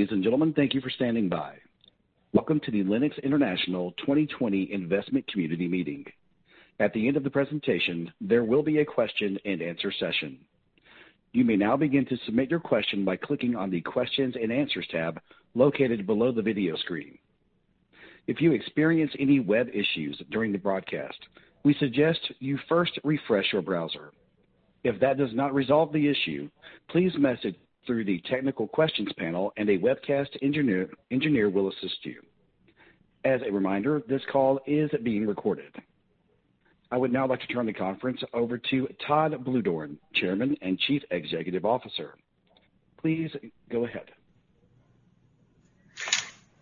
Ladies and gentlemen, thank you for standing by. Welcome to the Lennox International 2020 Investment Community Meeting. At the end of the presentation, there will be a question and answer session. You may now begin to submit your question by clicking on the questions and answers tab located below the video screen. If you experience any web issues during the broadcast, we suggest you first refresh your browser. If that does not resolve the issue, please message through the technical questions panel and a webcast engineer will assist you. As a reminder, this call is being recorded. I would now like to turn the conference over to Todd Bluedorn, Chairman and Chief Executive Officer. Please go ahead.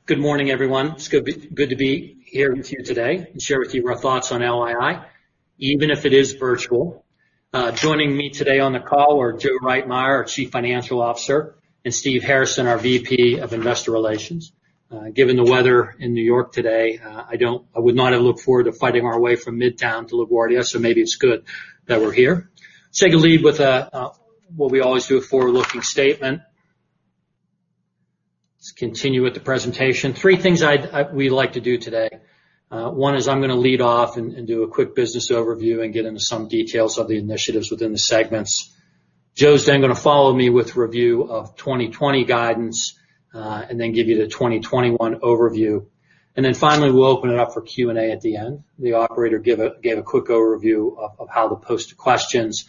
Good morning, everyone. It's good to be here with you today and share with you our thoughts on LII, even if it is virtual. Joining me today on the call are Joe Reitmeier, our Chief Financial Officer, and Steve Harrison, our VP of Investor Relations. Given the weather in New York today, I would not have looked forward to fighting our way from Midtown to LaGuardia, maybe it's good that we're here. Let's take a lead with what we always do, a forward-looking statement. Let's continue with the presentation. Three things we'd like to do today. One is I'm going to lead off and do a quick business overview and get into some details of the initiatives within the segments. Joe's going to follow me with review of 2020 guidance, and then give you the 2021 overview. Finally, we'll open it up for Q&A at the end. The operator gave a quick overview of how to post questions.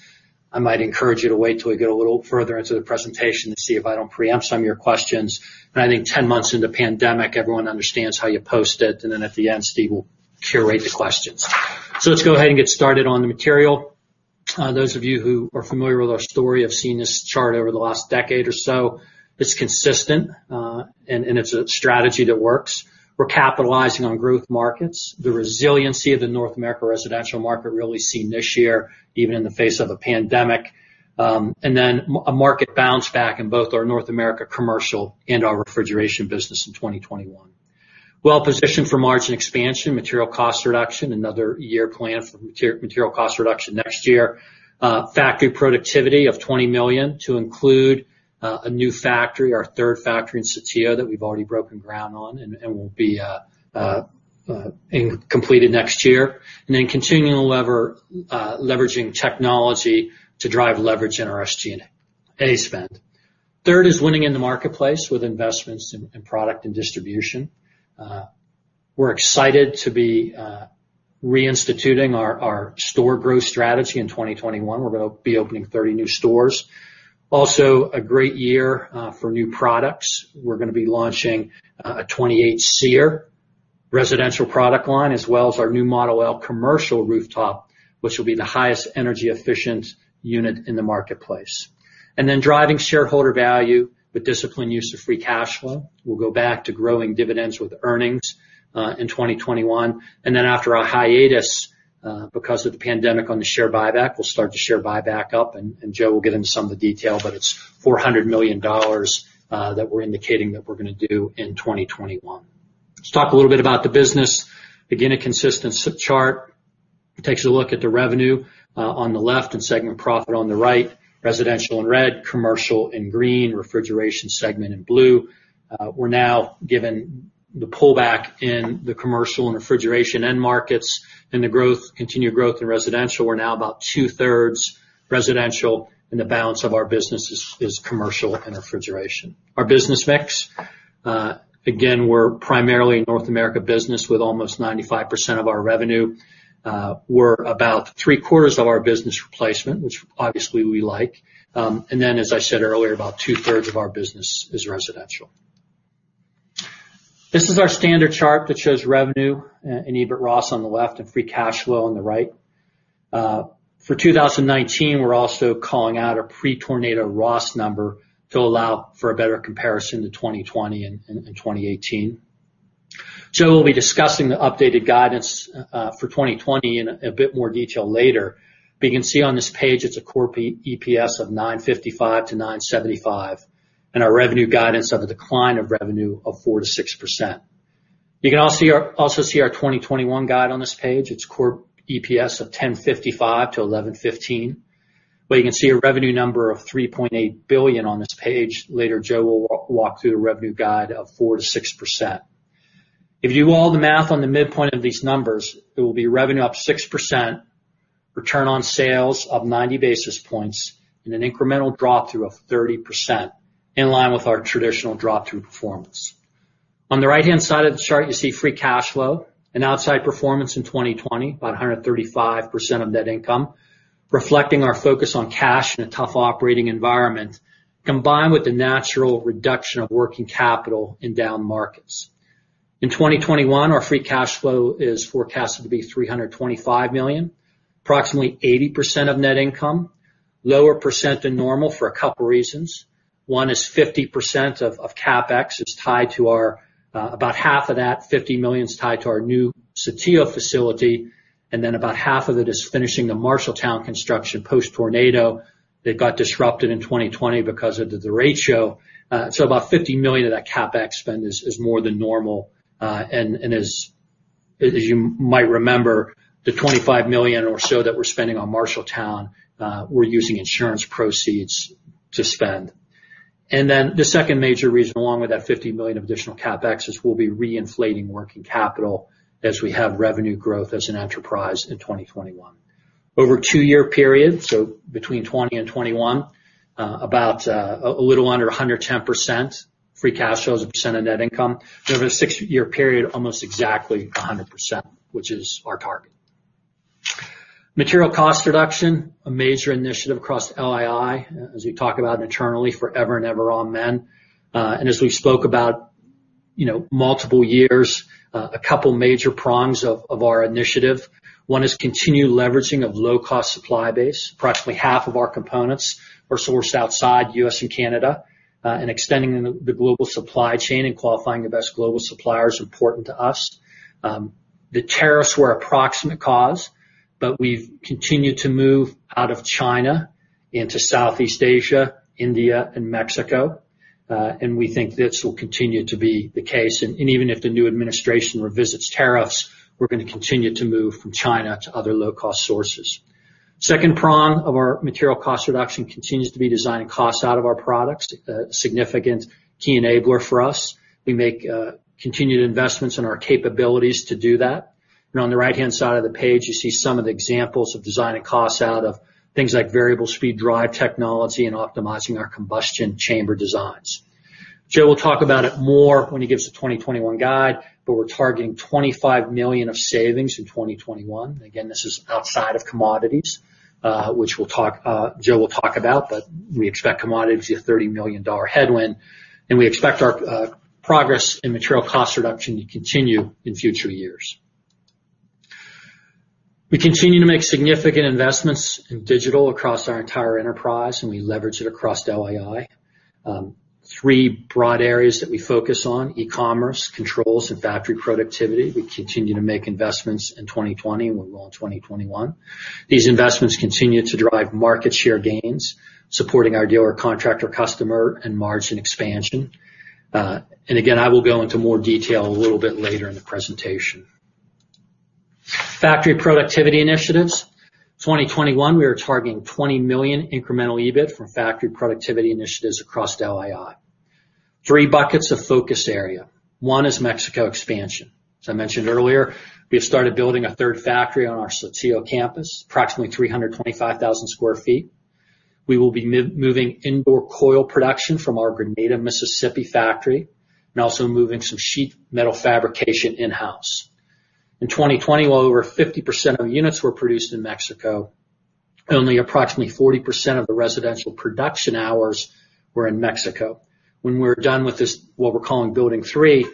I might encourage you to wait till we get a little further into the presentation to see if I don't preempt some of your questions. I think 10 months into pandemic, everyone understands how you post it. At the end, Steve will curate the questions. Let's go ahead and get started on the material. Those of you who are familiar with our story have seen this chart over the last decade or so. It's consistent, and it's a strategy that works. We're capitalizing on growth markets. The resiliency of the North America residential market really seen this year, even in the face of a pandemic. Then a market bounce back in both our North America commercial and our refrigeration business in 2021. Well-positioned for margin expansion, material cost reduction, another year planned for material cost reduction next year. Factory productivity of $20 million to include a new factory, our third factory in Saltillo that we've already broken ground on and will be completed next year. Continuing leveraging technology to drive leverage in our SG&A spend. Third is winning in the marketplace with investments in product and distribution. We're excited to be reinstituting our store growth strategy in 2021. We're going to be opening 30 new stores. A great year for new products. We're going to be launching a 28 SEER residential product line, as well as our new Model L commercial rooftop, which will be the highest energy efficient unit in the marketplace. Driving shareholder value with disciplined use of free cash flow. We'll go back to growing dividends with earnings in 2021. After a hiatus because of the pandemic on the share buyback, we'll start the share buyback up, and Joe will get into some of the detail, but it's $400 million that we're indicating that we're going to do in 2021. Let's talk a little bit about the business. Again, a consistency chart. It takes a look at the revenue on the left and segment profit on the right, residential in red, commercial in green, refrigeration segment in blue. We're now given the pullback in the commercial and refrigeration end markets and continued growth in residential. We're now about two-thirds residential, and the balance of our business is commercial and refrigeration. Our business mix. Again, we're primarily a North America business with almost 95% of our revenue. We're about three-quarters of our business replacement, which obviously we like. As I said earlier, about two-thirds of our business is residential. This is our standard chart that shows revenue and EBIT ROS on the left and free cash flow on the right. For 2019, we're also calling out a pre-tornado ROS number to allow for a better comparison to 2020 and 2018. Joe will be discussing the updated guidance for 2020 in a bit more detail later. You can see on this page, it's a core EPS of $9.55-$9.75, and our revenue guidance of a decline of revenue of 4%-6%. You can also see our 2021 guide on this page. It's core EPS of $10.55-$11.15, where you can see a revenue number of $3.8 billion on this page. Later, Joe will walk through the revenue guide of 4%-6%. If you do all the math on the midpoint of these numbers, it will be revenue up 6%, return on sales of 90 basis points, and an incremental drop through of 30%, in line with our traditional drop-through performance. On the right-hand side of the chart, you see free cash flow and outsized performance in 2020, about 135% of net income, reflecting our focus on cash in a tough operating environment, combined with the natural reduction of working capital in down markets. In 2021, our free cash flow is forecasted to be $325 million, approximately 80% of net income, lower percent than normal for a couple reasons. One is 50% of CapEx is tied to our-- About half of that, $50 million is tied to our new Saltillo facility, and then about half of it is finishing the Marshalltown construction post-tornado that got disrupted in 2020 because of the derecho. About $50 million of that CapEx spend is more than normal and as you might remember, the $25 million or so that we're spending on Marshalltown, we're using insurance proceeds to spend. The second major reason, along with that $50 million of additional CapEx, is we'll be re-inflating working capital as we have revenue growth as an enterprise in 2021. Over a two-year period, so between 2020 and 2021, about a little under 110% free cash flow as a percent of net income. Over a six-year period, almost exactly 100%, which is our target. Material cost reduction, a major initiative across LII, as we talk about internally forever and ever, amen. As we spoke about multiple years, a couple major prongs of our initiative. One is continued leveraging of low-cost supply base. Approximately half of our components are sourced outside U.S. and Canada. Extending the global supply chain and qualifying the best global supplier is important to us. The tariffs were a proximate cause, but we've continued to move out of China into Southeast Asia, India, and Mexico. We think this will continue to be the case. Even if the new administration revisits tariffs, we're going to continue to move from China to other low-cost sources. Second prong of our material cost reduction continues to be designing costs out of our products, a significant key enabler for us. We make continued investments in our capabilities to do that. On the right-hand side of the page, you see some of the examples of designing costs out of things like variable speed drive technology and optimizing our combustion chamber designs. Joe Reitmeier will talk about it more when he gives the 2021 guide, but we're targeting $25 million of savings in 2021. Again, this is outside of commodities, which Joe will talk about, but we expect commodities a $30 million headwind, and we expect our progress in material cost reduction to continue in future years. We continue to make significant investments in digital across our entire enterprise, and we leverage it across LII. Three broad areas that we focus on, e-commerce, controls, and factory productivity. We continue to make investments in 2020, and we will in 2021. These investments continue to drive market share gains, supporting our dealer, contractor, customer, and margin expansion. Again, I will go into more detail a little bit later in the presentation. Factory productivity initiatives. 2021, we are targeting $20 million incremental EBIT from factory productivity initiatives across LII. Three buckets of focus area. One is Mexico expansion. As I mentioned earlier, we have started building a third factory on our Saltillo campus, approximately 325,000 square feet. We will be moving indoor coil production from our Grenada, Mississippi factory, and also moving some sheet metal fabrication in-house. In 2020, while over 50% of units were produced in Mexico, only approximately 40% of the residential production hours were in Mexico. When we're done with this, what we're calling building 3,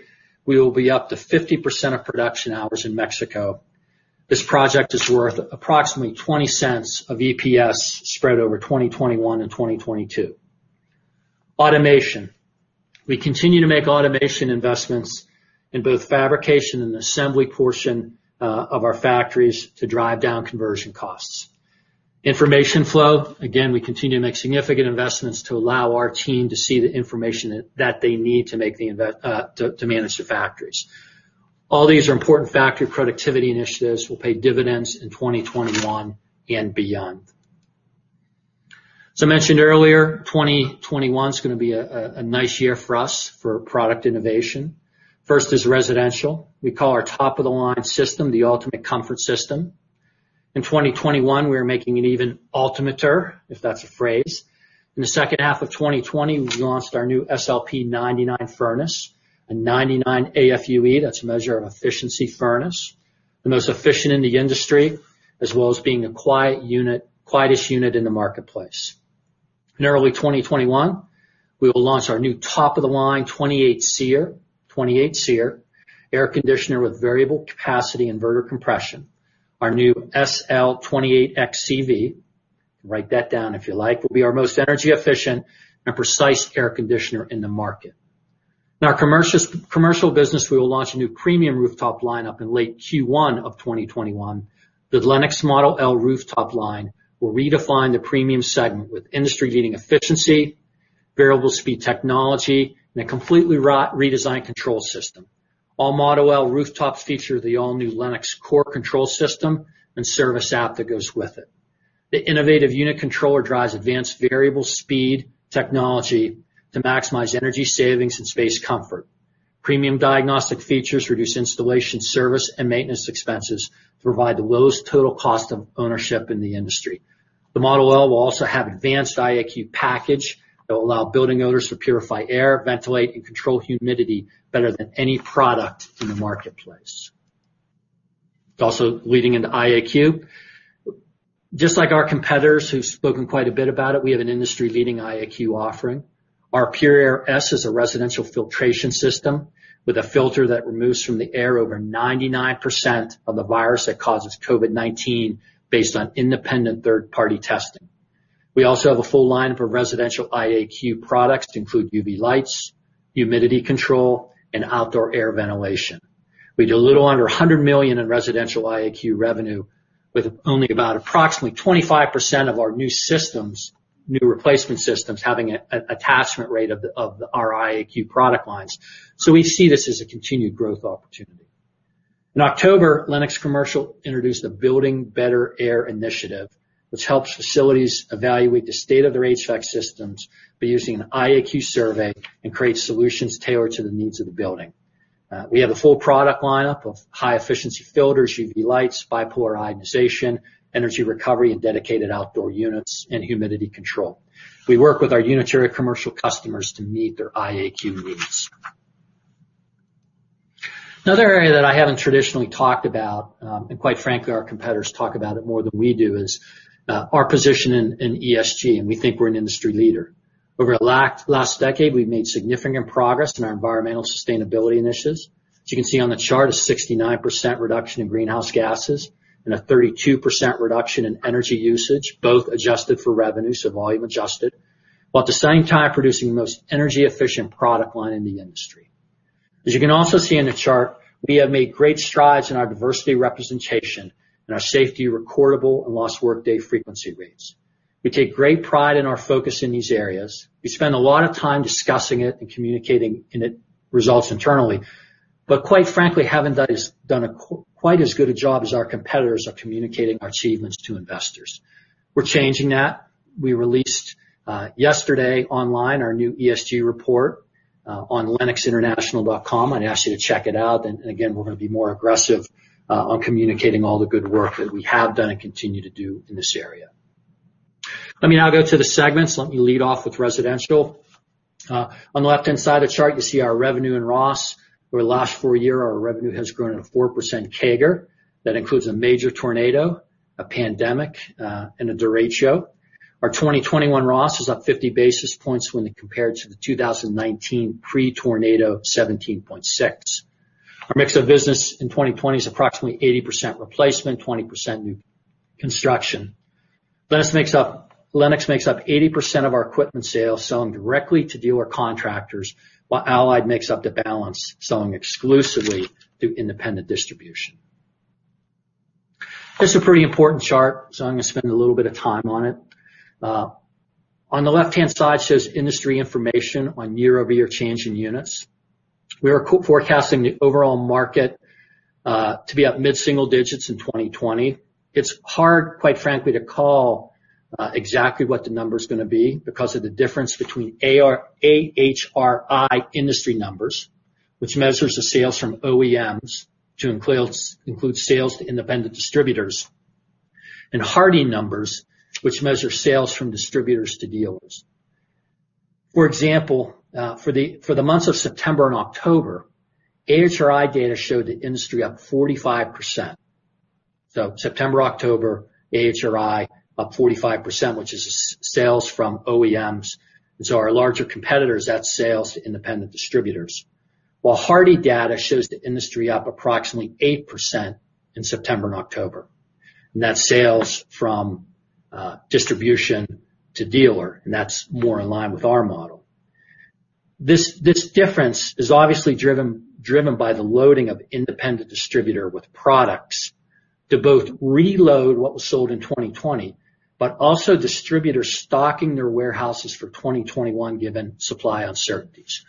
we will be up to 50% of production hours in Mexico. This project is worth approximately $0.20 of EPS spread over 2021 and 2022. Automation. We continue to make automation investments in both fabrication and the assembly portion of our factories to drive down conversion costs. Information flow, again, we continue to make significant investments to allow our team to see the information that they need to manage the factories. All these are important factory productivity initiatives will pay dividends in 2021 and beyond. As I mentioned earlier, 2021 is going to be a nice year for us for product innovation. First is residential. We call our top-of-the-line system the Ultimate Comfort System. In 2021, we are making it even ultimater, if that's a phrase. In the second half of 2020, we launched our new SLP99 furnace, a 99 AFUE, that's a measure of efficiency furnace. The most efficient in the industry, as well as being the quietest unit in the marketplace. In early 2021, we will launch our new top-of-the-line 28 SEER air conditioner with variable capacity inverter compression. Our new SL28XCV, write that down if you like, will be our most energy efficient and precise air conditioner in the market. In our commercial business, we will launch a new premium rooftop lineup in late Q1 of 2021. The Lennox Model L rooftop line will redefine the premium segment with industry-leading efficiency, variable speed technology, and a completely redesigned control system. All Model L rooftops feature the all-new Lennox CORE Control System and service app that goes with it. The innovative unit controller drives advanced variable speed technology to maximize energy savings and space comfort. Premium diagnostic features reduce installation service and maintenance expenses to provide the lowest total cost of ownership in the industry. The Model L will also have advanced IAQ package that will allow building owners to purify air, ventilate, and control humidity better than any product in the marketplace. Also leading into IAQ. Just like our competitors who've spoken quite a bit about it, we have an industry-leading IAQ offering. Our PureAir S is a residential filtration system with a filter that removes from the air over 99% of the virus that causes COVID-19 based on independent third-party testing. We also have a full line of residential IAQ products to include UV lights, humidity control, and outdoor air ventilation. We do a little under $100 million in residential IAQ revenue with only approximately 25% of our new replacement systems having an attachment rate of the IAQ product lines. We see this as a continued growth opportunity. In October, Lennox Commercial introduced a Building Better Air initiative, which helps facilities evaluate the state of their HVAC systems by using an IAQ survey and create solutions tailored to the needs of the building. We have a full product lineup of high-efficiency filters, UV lights, bipolar ionization, energy recovery, and dedicated outdoor units and humidity control. We work with our unitary commercial customers to meet their IAQ needs. Another area that I haven't traditionally talked about, and quite frankly, our competitors talk about it more than we do, is our position in ESG, and we think we're an industry leader. Over the last decade, we've made significant progress in our environmental sustainability initiatives. As you can see on the chart, a 69% reduction in greenhouse gases and a 32% reduction in energy usage, both adjusted for revenue, so volume adjusted, while at the same time producing the most energy-efficient product line in the industry. As you can also see in the chart, we have made great strides in our diversity representation and our safety recordable and lost workday frequency rates. We take great pride in our focus in these areas. We spend a lot of time discussing it and communicating in the results internally. Quite frankly, haven't done quite as good a job as our competitors of communicating our achievements to investors. We're changing that. We released, yesterday online, our new ESG report on lennoxinternational.com. I'd ask you to check it out, again, we're going to be more aggressive on communicating all the good work that we have done and continue to do in this area. Let me now go to the segments. Let me lead off with residential. On the left-hand side of the chart, you see our revenue and ROS. Over the last four year, our revenue has grown at a 4% CAGR. That includes a major tornado, a pandemic, and a derecho. Our 2021 ROS is up 50 basis points when compared to the 2019 pre-tornado, 17.6. Our mix of business in 2020 is approximately 80% replacement, 20% new construction. Lennox makes up 80% of our equipment sales, selling directly to dealer contractors, while Allied makes up the balance, selling exclusively through independent distribution. This is a pretty important chart, so I'm going to spend a little bit of time on it. On the left-hand side, it says industry information on year-over-year change in units. We are forecasting the overall market to be up mid-single digits in 2020. It's hard, quite frankly, to call exactly what the number's going to be because of the difference between AHRI industry numbers, which measures the sales from OEMs to include sales to independent distributors, and HARDI numbers, which measure sales from distributors to dealers. For example, for the months of September and October, AHRI data showed the industry up 45%. September, October, AHRI up 45%, which is sales from OEMs. Our larger competitors, that's sales to independent distributors. While HARDI data shows the industry up approximately 8% in September and October. That's sales from distribution to dealer, and that's more in line with our model. This difference is obviously driven by the loading of independent distributor with products to both reload what was sold in 2020, but also distributors stocking their warehouses for 2021 given supply uncertainties.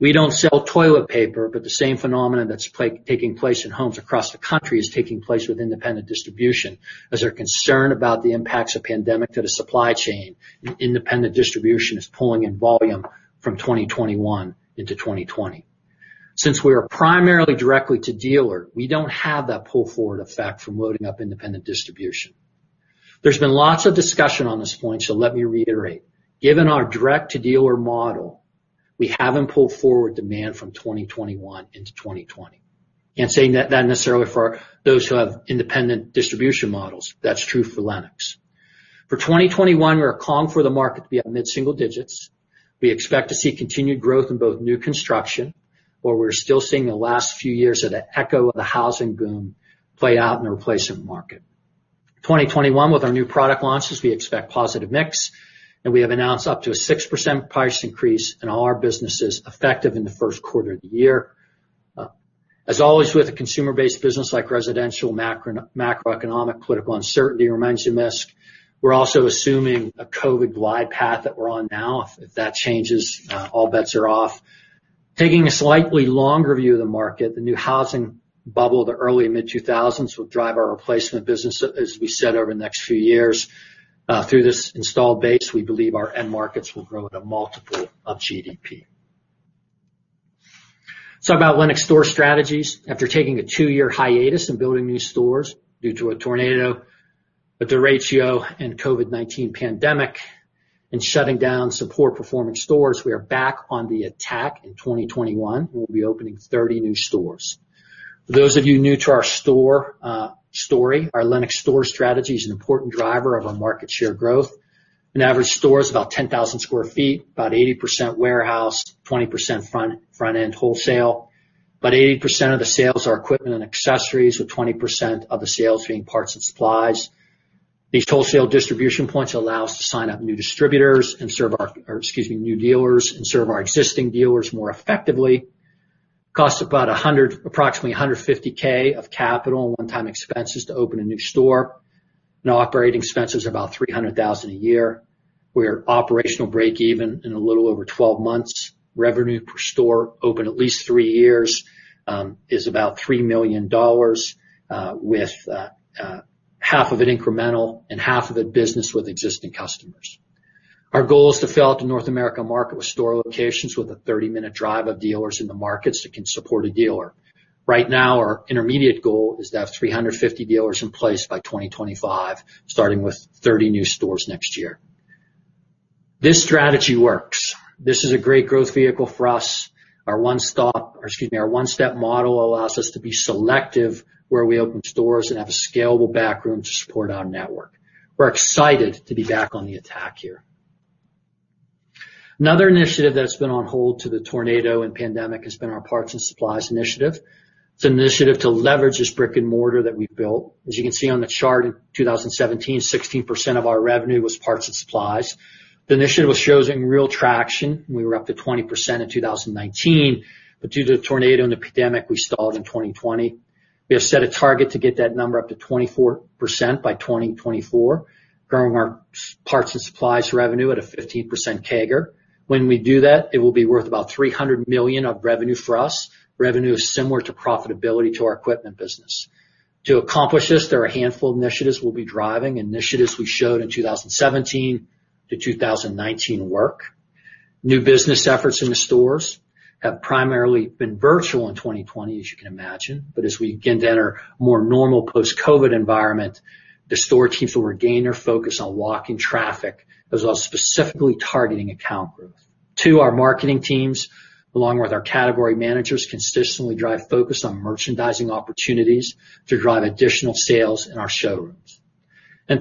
We don't sell toilet paper, but the same phenomenon that's taking place in homes across the country is taking place with independent distribution as they're concerned about the impacts of pandemic to the supply chain, and independent distribution is pulling in volume from 2021 into 2020. Since we are primarily directly to dealer, we don't have that pull-forward effect from loading up independent distribution. There's been lots of discussion on this point, so let me reiterate. Given our direct-to-dealer model, we haven't pulled forward demand from 2021 into 2020. Again, saying that necessarily for those who have independent distribution models, that's true for Lennox. For 2021, we are calling for the market to be at mid-single digits. We expect to see continued growth in both new construction, where we're still seeing the last few years of the echo of the housing boom play out in the replacement market. 2021, with our new product launches, we expect positive mix, and we have announced up to a 6% price increase in all our businesses effective in the first quarter of the year. As always, with a consumer-based business like residential, macroeconomic political uncertainty remains a risk. We're also assuming a COVID glide path that we're on now. If that changes, all bets are off. Taking a slightly longer view of the market, the new housing bubble of the early mid-2000s will drive our replacement business, as we said, over the next few years. Through this installed base, we believe our end markets will grow at a multiple of GDP. Let's talk about Lennox store strategies. After taking a two-year hiatus in building new stores due to a tornado, a derecho, and COVID-19 pandemic, and shutting down sub-par performing stores, we are back on the attack in 2021. We'll be opening 30 new stores. For those of you new to our store story, our Lennox store strategy is an important driver of our market share growth. An average store is about 10,000 square feet, about 80% warehouse, 20% front-end wholesale. About 80% of the sales are equipment and accessories, with 20% of the sales being parts and supplies. These wholesale distribution points allow us to sign up new dealers and serve our existing dealers more effectively. Costs about approximately $150,000 of capital and one-time expenses to open a new store. Operating expenses are about $300,000 a year. We're operational break even in a little over 12 months. Revenue per store open at least three years is about $3 million, with half of it incremental and half of it business with existing customers. Our goal is to fill out the North America market with store locations with a 30-minute drive of dealers in the markets that can support a dealer. Right now, our intermediate goal is to have 350 dealers in place by 2025, starting with 30 new stores next year. This strategy works. This is a great growth vehicle for us. Our one-step model allows us to be selective where we open stores and have a scalable backroom to support our network. We're excited to be back on the attack here. Another initiative that's been on hold due to the tornado and pandemic has been our parts and supplies initiative. It's an initiative to leverage this brick-and-mortar that we've built. As you can see on the chart, in 2017, 16% of our revenue was parts and supplies. The initiative was showing real traction. We were up to 20% in 2019, but due to the tornado and the pandemic, we stalled in 2020. We have set a target to get that number up to 24% by 2024, growing our parts and supplies revenue at a 15% CAGR. When we do that, it will be worth about $300 million of revenue for us. Revenue is similar to profitability to our equipment business. To accomplish this, there are a handful of initiatives we'll be driving, initiatives we showed in 2017-2019 work. New business efforts in the stores have primarily been virtual in 2020, as you can imagine. As we begin to enter a more normal post-COVID environment, the store teams will regain their focus on walking traffic, as well as specifically targeting account growth. Two, our marketing teams, along with our category managers, consistently drive focus on merchandising opportunities to drive additional sales in our showrooms.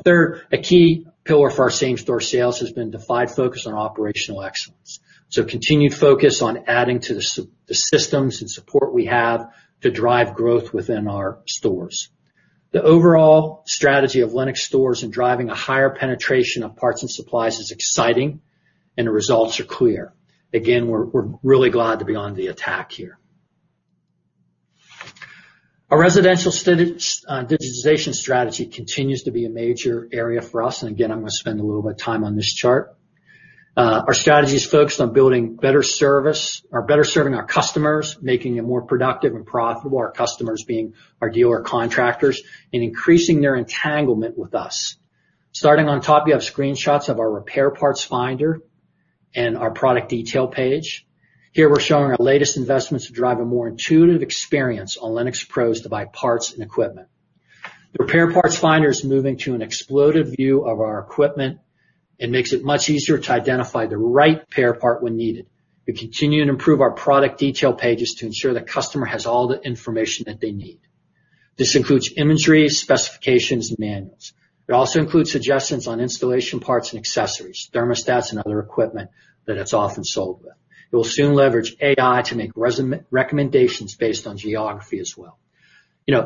Third, a key pillar for our same-store sales has been defined focus on operational excellence. Continued focus on adding to the systems and support we have to drive growth within our stores. The overall strategy of Lennox stores in driving a higher penetration of parts and supplies is exciting. The results are clear. Again, we're really glad to be on the attack here. Our residential digitization strategy continues to be a major area for us. Again, I'm going to spend a little bit of time on this chart. Our strategy is focused on building better service or better serving our customers, making it more productive and profitable, our customers being our dealer contractors, increasing their entanglement with us. Starting on top, you have screenshots of our repair parts finder and our product detail page. Here, we're showing our latest investments to drive a more intuitive experience on LennoxPros to buy parts and equipment. The repair parts finder is moving to an exploded view of our equipment and makes it much easier to identify the right repair part when needed. We continue to improve our product detail pages to ensure the customer has all the information that they need. This includes imagery, specifications, and manuals. It also includes suggestions on installation parts and accessories, thermostats and other equipment that it's often sold with. It will soon leverage AI to make recommendations based on geography as well. Just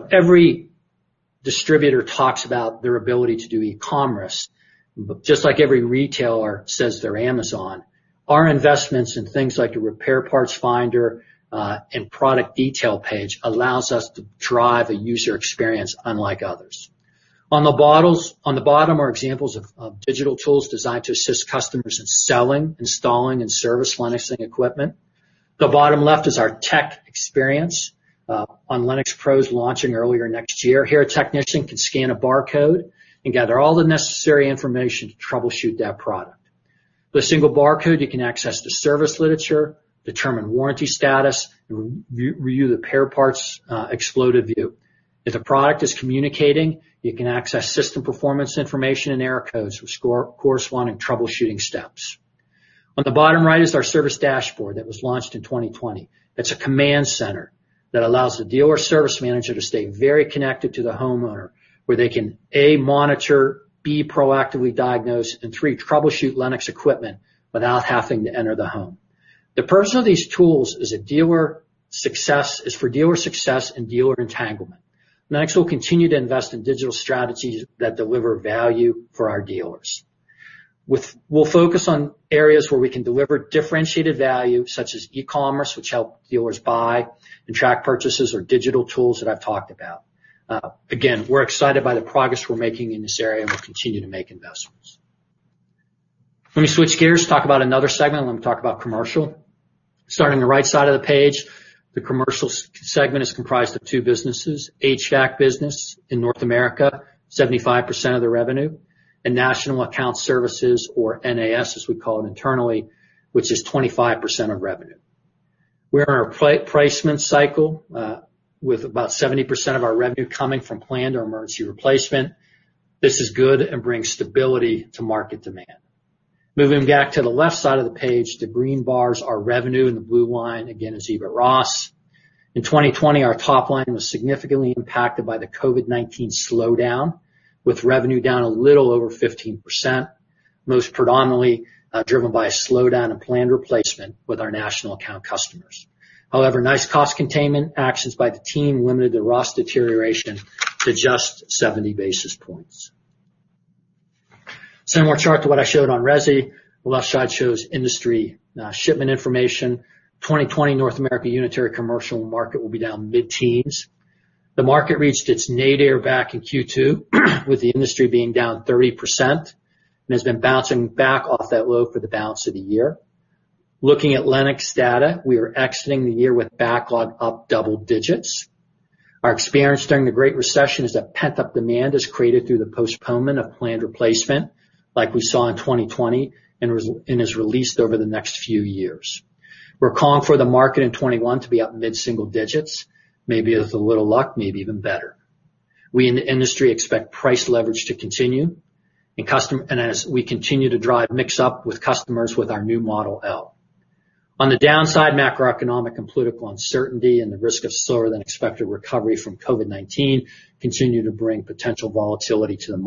like every retailer says they're Amazon, our investments in things like the repair parts finder, and product detail page allows us to drive a user experience unlike others. On the bottom are examples of digital tools designed to assist customers in selling, installing, and service Lennox equipment. The bottom left is our tech experience on LennoxPros launching earlier next year. Here, a technician can scan a barcode and gather all the necessary information to troubleshoot that product. With a single barcode, you can access the service literature, determine warranty status, and review repair parts exploded view. If a product is communicating, you can access system performance information and error codes with corresponding troubleshooting steps. On the bottom right is our service dashboard that was launched in 2020. It's a command center that allows the dealer service manager to stay very connected to the homeowner, where they can, A, monitor, B, proactively diagnose, and three, troubleshoot Lennox equipment without having to enter the home. The purpose of these tools is for dealer success and dealer entanglement. Lennox will continue to invest in digital strategies that deliver value for our dealers. We'll focus on areas where we can deliver differentiated value, such as e-commerce, which help dealers buy and track purchases or digital tools that I've talked about. We're excited by the progress we're making in this area, and we'll continue to make investments. Let me switch gears, talk about another segment. Let me talk about commercial. Starting on the right side of the page, the Commercial segment is comprised of two businesses, HVAC business in North America, 75% of the revenue, and National Account Services, or NAS, as we call it internally, which is 25% of revenue. We are in a replacement cycle, with about 70% of our revenue coming from planned or emergency replacement. This is good and brings stability to market demand. Moving back to the left side of the page, the green bars are revenue, and the blue line, again, is EBITDA ROS. In 2020, our top line was significantly impacted by the COVID-19 slowdown, with revenue down a little over 15%, most predominantly driven by a slowdown in planned replacement with our national account customers. Nice cost containment actions by the team limited the ROS deterioration to just 70 basis points. Similar chart to what I showed on resi. The left side shows industry shipment information. 2020 North America unitary commercial market will be down mid-teens. The market reached its nadir back in Q2 with the industry being down 30%, and has been bouncing back off that low for the balance of the year. Looking at Lennox data, we are exiting the year with backlog up double digits. Our experience during the Great Recession is that pent-up demand is created through the postponement of planned replacement, like we saw in 2020, and is released over the next few years. We're calling for the market in 2021 to be up mid-single digits. Maybe with a little luck, maybe even better. We in the industry expect price leverage to continue, as we continue to drive mix up with customers with our new Model L. On the downside, macroeconomic and political uncertainty and the risk of slower than expected recovery from COVID-19 continue to bring potential volatility to the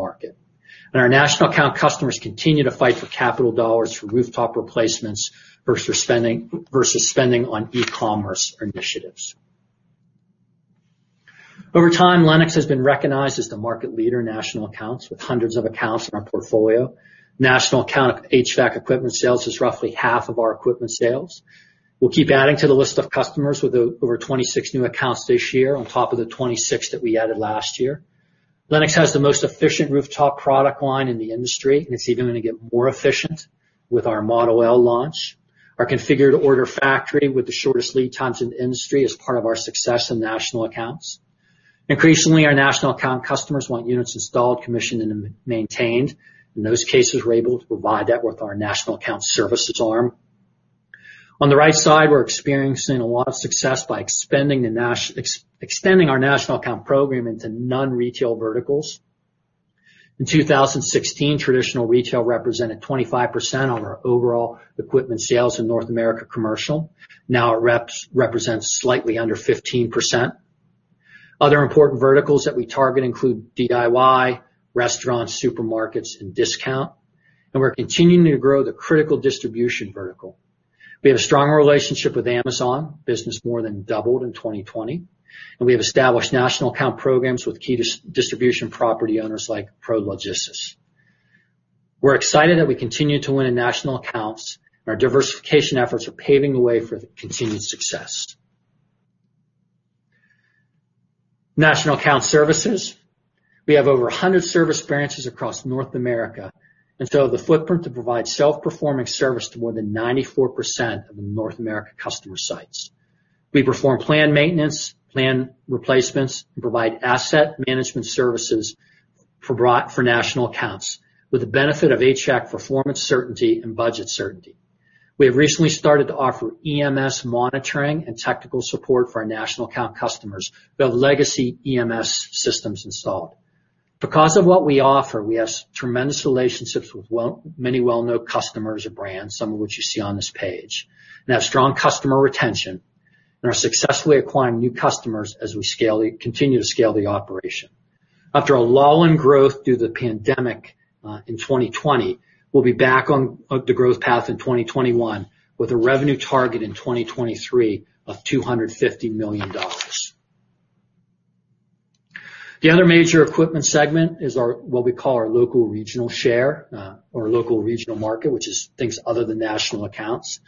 market. Our national account customers continue to fight for capital dollars for rooftop replacements versus spending on e-commerce initiatives. Over time, Lennox has been recognized as the market leader in national accounts, with hundreds of accounts in our portfolio. National account HVAC equipment sales is roughly half of our equipment sales. We'll keep adding to the list of customers with over 26 new accounts this year on top of the 26 that we added last year. Lennox has the most efficient rooftop product line in the industry, and it's even going to get more efficient with our Model L launch. Our configured order factory with the shortest lead times in the industry is part of our success in national accounts. Increasingly, our national account customers want units installed, commissioned, and maintained. In those cases, we're able to provide that with our national account services arm. On the right side, we're experiencing a lot of success by extending our national account program into non-retail verticals. In 2016, traditional retail represented 25% of our overall equipment sales in North America commercial. Now it represents slightly under 15%. Other important verticals that we target include DIY, restaurants, supermarkets, and discount. We're continuing to grow the critical distribution vertical. We have a strong relationship with Amazon. Business more than doubled in 2020. We have established national account programs with key distribution property owners like Prologis. We're excited that we continue to win in national accounts. Our diversification efforts are paving the way for continued success. National account services. We have over 100 service branches across North America, and so the footprint to provide self-performing service to more than 94% of the North America customer sites. We perform planned maintenance, planned replacements, and provide asset management services for national accounts with the benefit of HVAC performance certainty and budget certainty. We have recently started to offer EMS monitoring and technical support for our national account customers who have legacy EMS systems installed. Because of what we offer, we have tremendous relationships with many well-known customers or brands, some of which you see on this page. We have strong customer retention and are successfully acquiring new customers as we continue to scale the operation. After a lull in growth through the pandemic, in 2020, we'll be back on the growth path in 2021 with a revenue target in 2023 of $250 million. The other major equipment segment is what we call our local regional share, or local regional market, which is things other than national accounts.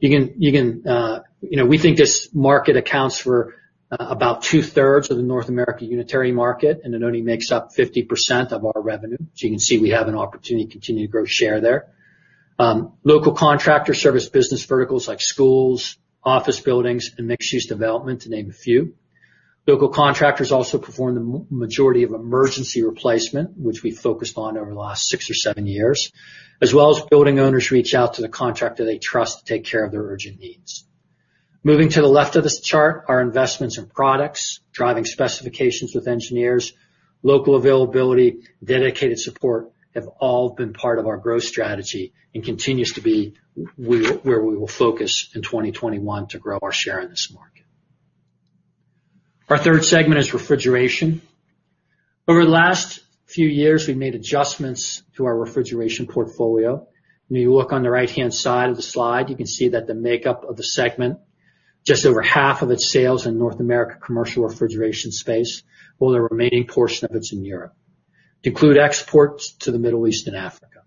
We think this market accounts for about 2/3 of the North America unitary market, and it only makes up 50% of our revenue. You can see we have an opportunity to continue to grow share there. Local contractor service business verticals like schools, office buildings, and mixed-use development, to name a few. Local contractors also perform the majority of emergency replacement, which we focused on over the last six or seven years. As well as building owners reach out to the contractor they trust to take care of their urgent needs. Moving to the left of this chart, our investments in products, driving specifications with engineers, local availability, dedicated support have all been part of our growth strategy and continues to be where we will focus in 2021 to grow our share in this market. Our third segment is refrigeration. Over the last few years, we've made adjustments to our refrigeration portfolio. When you look on the right-hand side of the slide, you can see that the makeup of the segment, just over half of its sales in North America commercial refrigeration space, while the remaining portion of it's in Europe, include exports to the Middle East and Africa.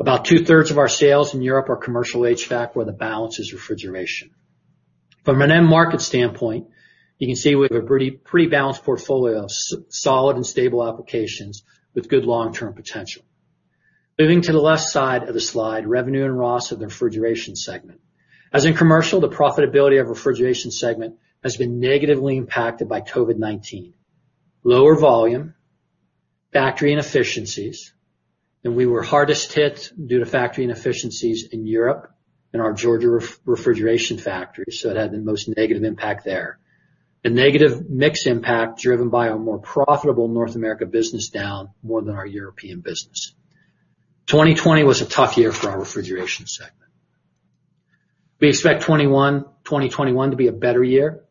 About two-thirds of our sales in Europe are commercial HVAC, while the balance is refrigeration. From an end market standpoint, you can see we have a pretty balanced portfolio of solid and stable applications with good long-term potential. Moving to the left side of the slide, revenue and ROS of the refrigeration segment. As in commercial, the profitability of refrigeration segment has been negatively impacted by COVID-19. Lower volume, factory inefficiencies, and we were hardest hit due to factory inefficiencies in Europe and our Georgia refrigeration factory. It had the most negative impact there. A negative mix impact driven by a more profitable North America business down more than our European business. 2020 was a tough year for our refrigeration segment. We expect 2021 to be a better year.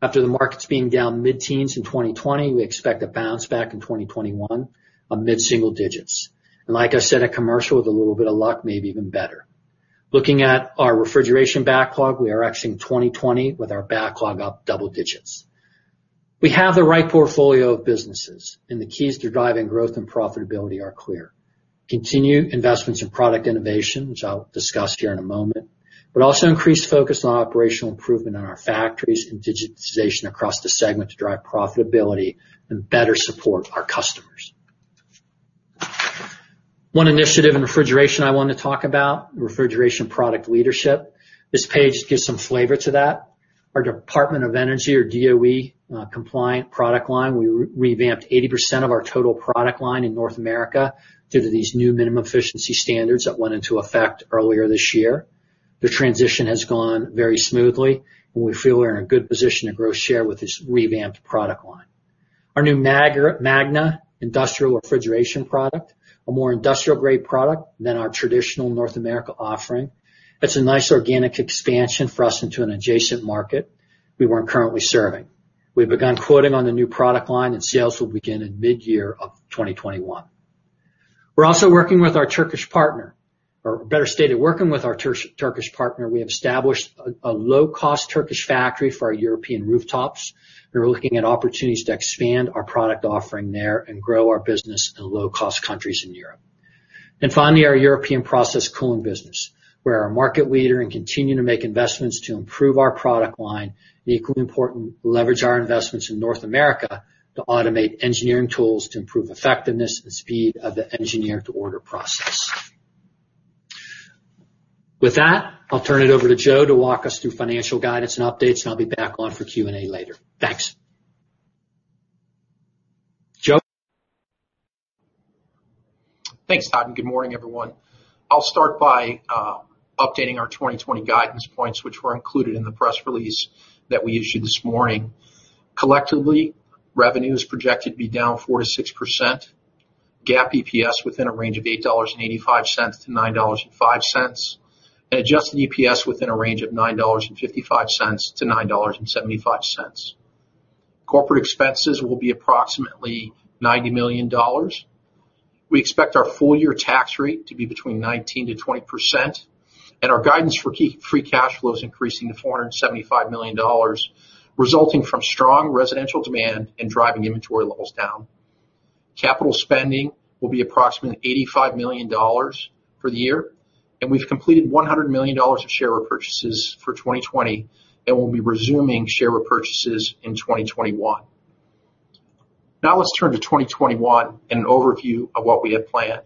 After the markets being down mid-teens in 2020, we expect a bounce back in 2021 of mid-single digits. Like I said at commercial, with a little bit of luck, maybe even better. Looking at our refrigeration backlog, we are exiting 2020 with our backlog up double digits. We have the right portfolio of businesses, and the keys to driving growth and profitability are clear. Continued investments in product innovation, which I'll discuss here in a moment, but also increased focus on operational improvement in our factories and digitization across the segment to drive profitability and better support our customers. One initiative in refrigeration I want to talk about, refrigeration product leadership. This page gives some flavor to that. Our Department of Energy, or DOE, compliant product line, we revamped 80% of our total product line in North America due to these new minimum efficiency standards that went into effect earlier this year. The transition has gone very smoothly, and we feel we're in a good position to grow share with this revamped product line. Our new Magna industrial refrigeration product, a more industrial-grade product than our traditional North America offering. It's a nice organic expansion for us into an adjacent market we weren't currently serving. We've begun quoting on the new product line. Sales will begin in mid-year of 2021. We're also working with our Turkish partner, or better stated, working with our Turkish partner. We have established a low-cost Turkish factory for our European rooftops. We're looking at opportunities to expand our product offering there and grow our business in low-cost countries in Europe. Finally, our European process cooling business. We're a market leader and continue to make investments to improve our product line, and equally important, leverage our investments in North America to automate engineering tools to improve effectiveness and speed of the engineer to order process. With that, I'll turn it over to Joe to walk us through financial guidance and updates, and I'll be back on for Q&A later. Thanks. Joe. Thanks, Todd, and good morning, everyone. I'll start by updating our 2020 guidance points, which were included in the press release that we issued this morning. Collectively, revenue is projected to be down 4%-6%, GAAP EPS within a range of $8.85-$9.05, and adjusted EPS within a range of $9.55-$9.75. Corporate expenses will be approximately $90 million. We expect our full-year tax rate to be between 19%-20%, and our guidance for key free cash flow is increasing to $475 million, resulting from strong residential demand and driving inventory levels down. capital spending will be approximately $85 million for the year, and we've completed $100 million of share repurchases for 2020, and we'll be resuming share repurchases in 2021. Now let's turn to 2021 and an overview of what we have planned.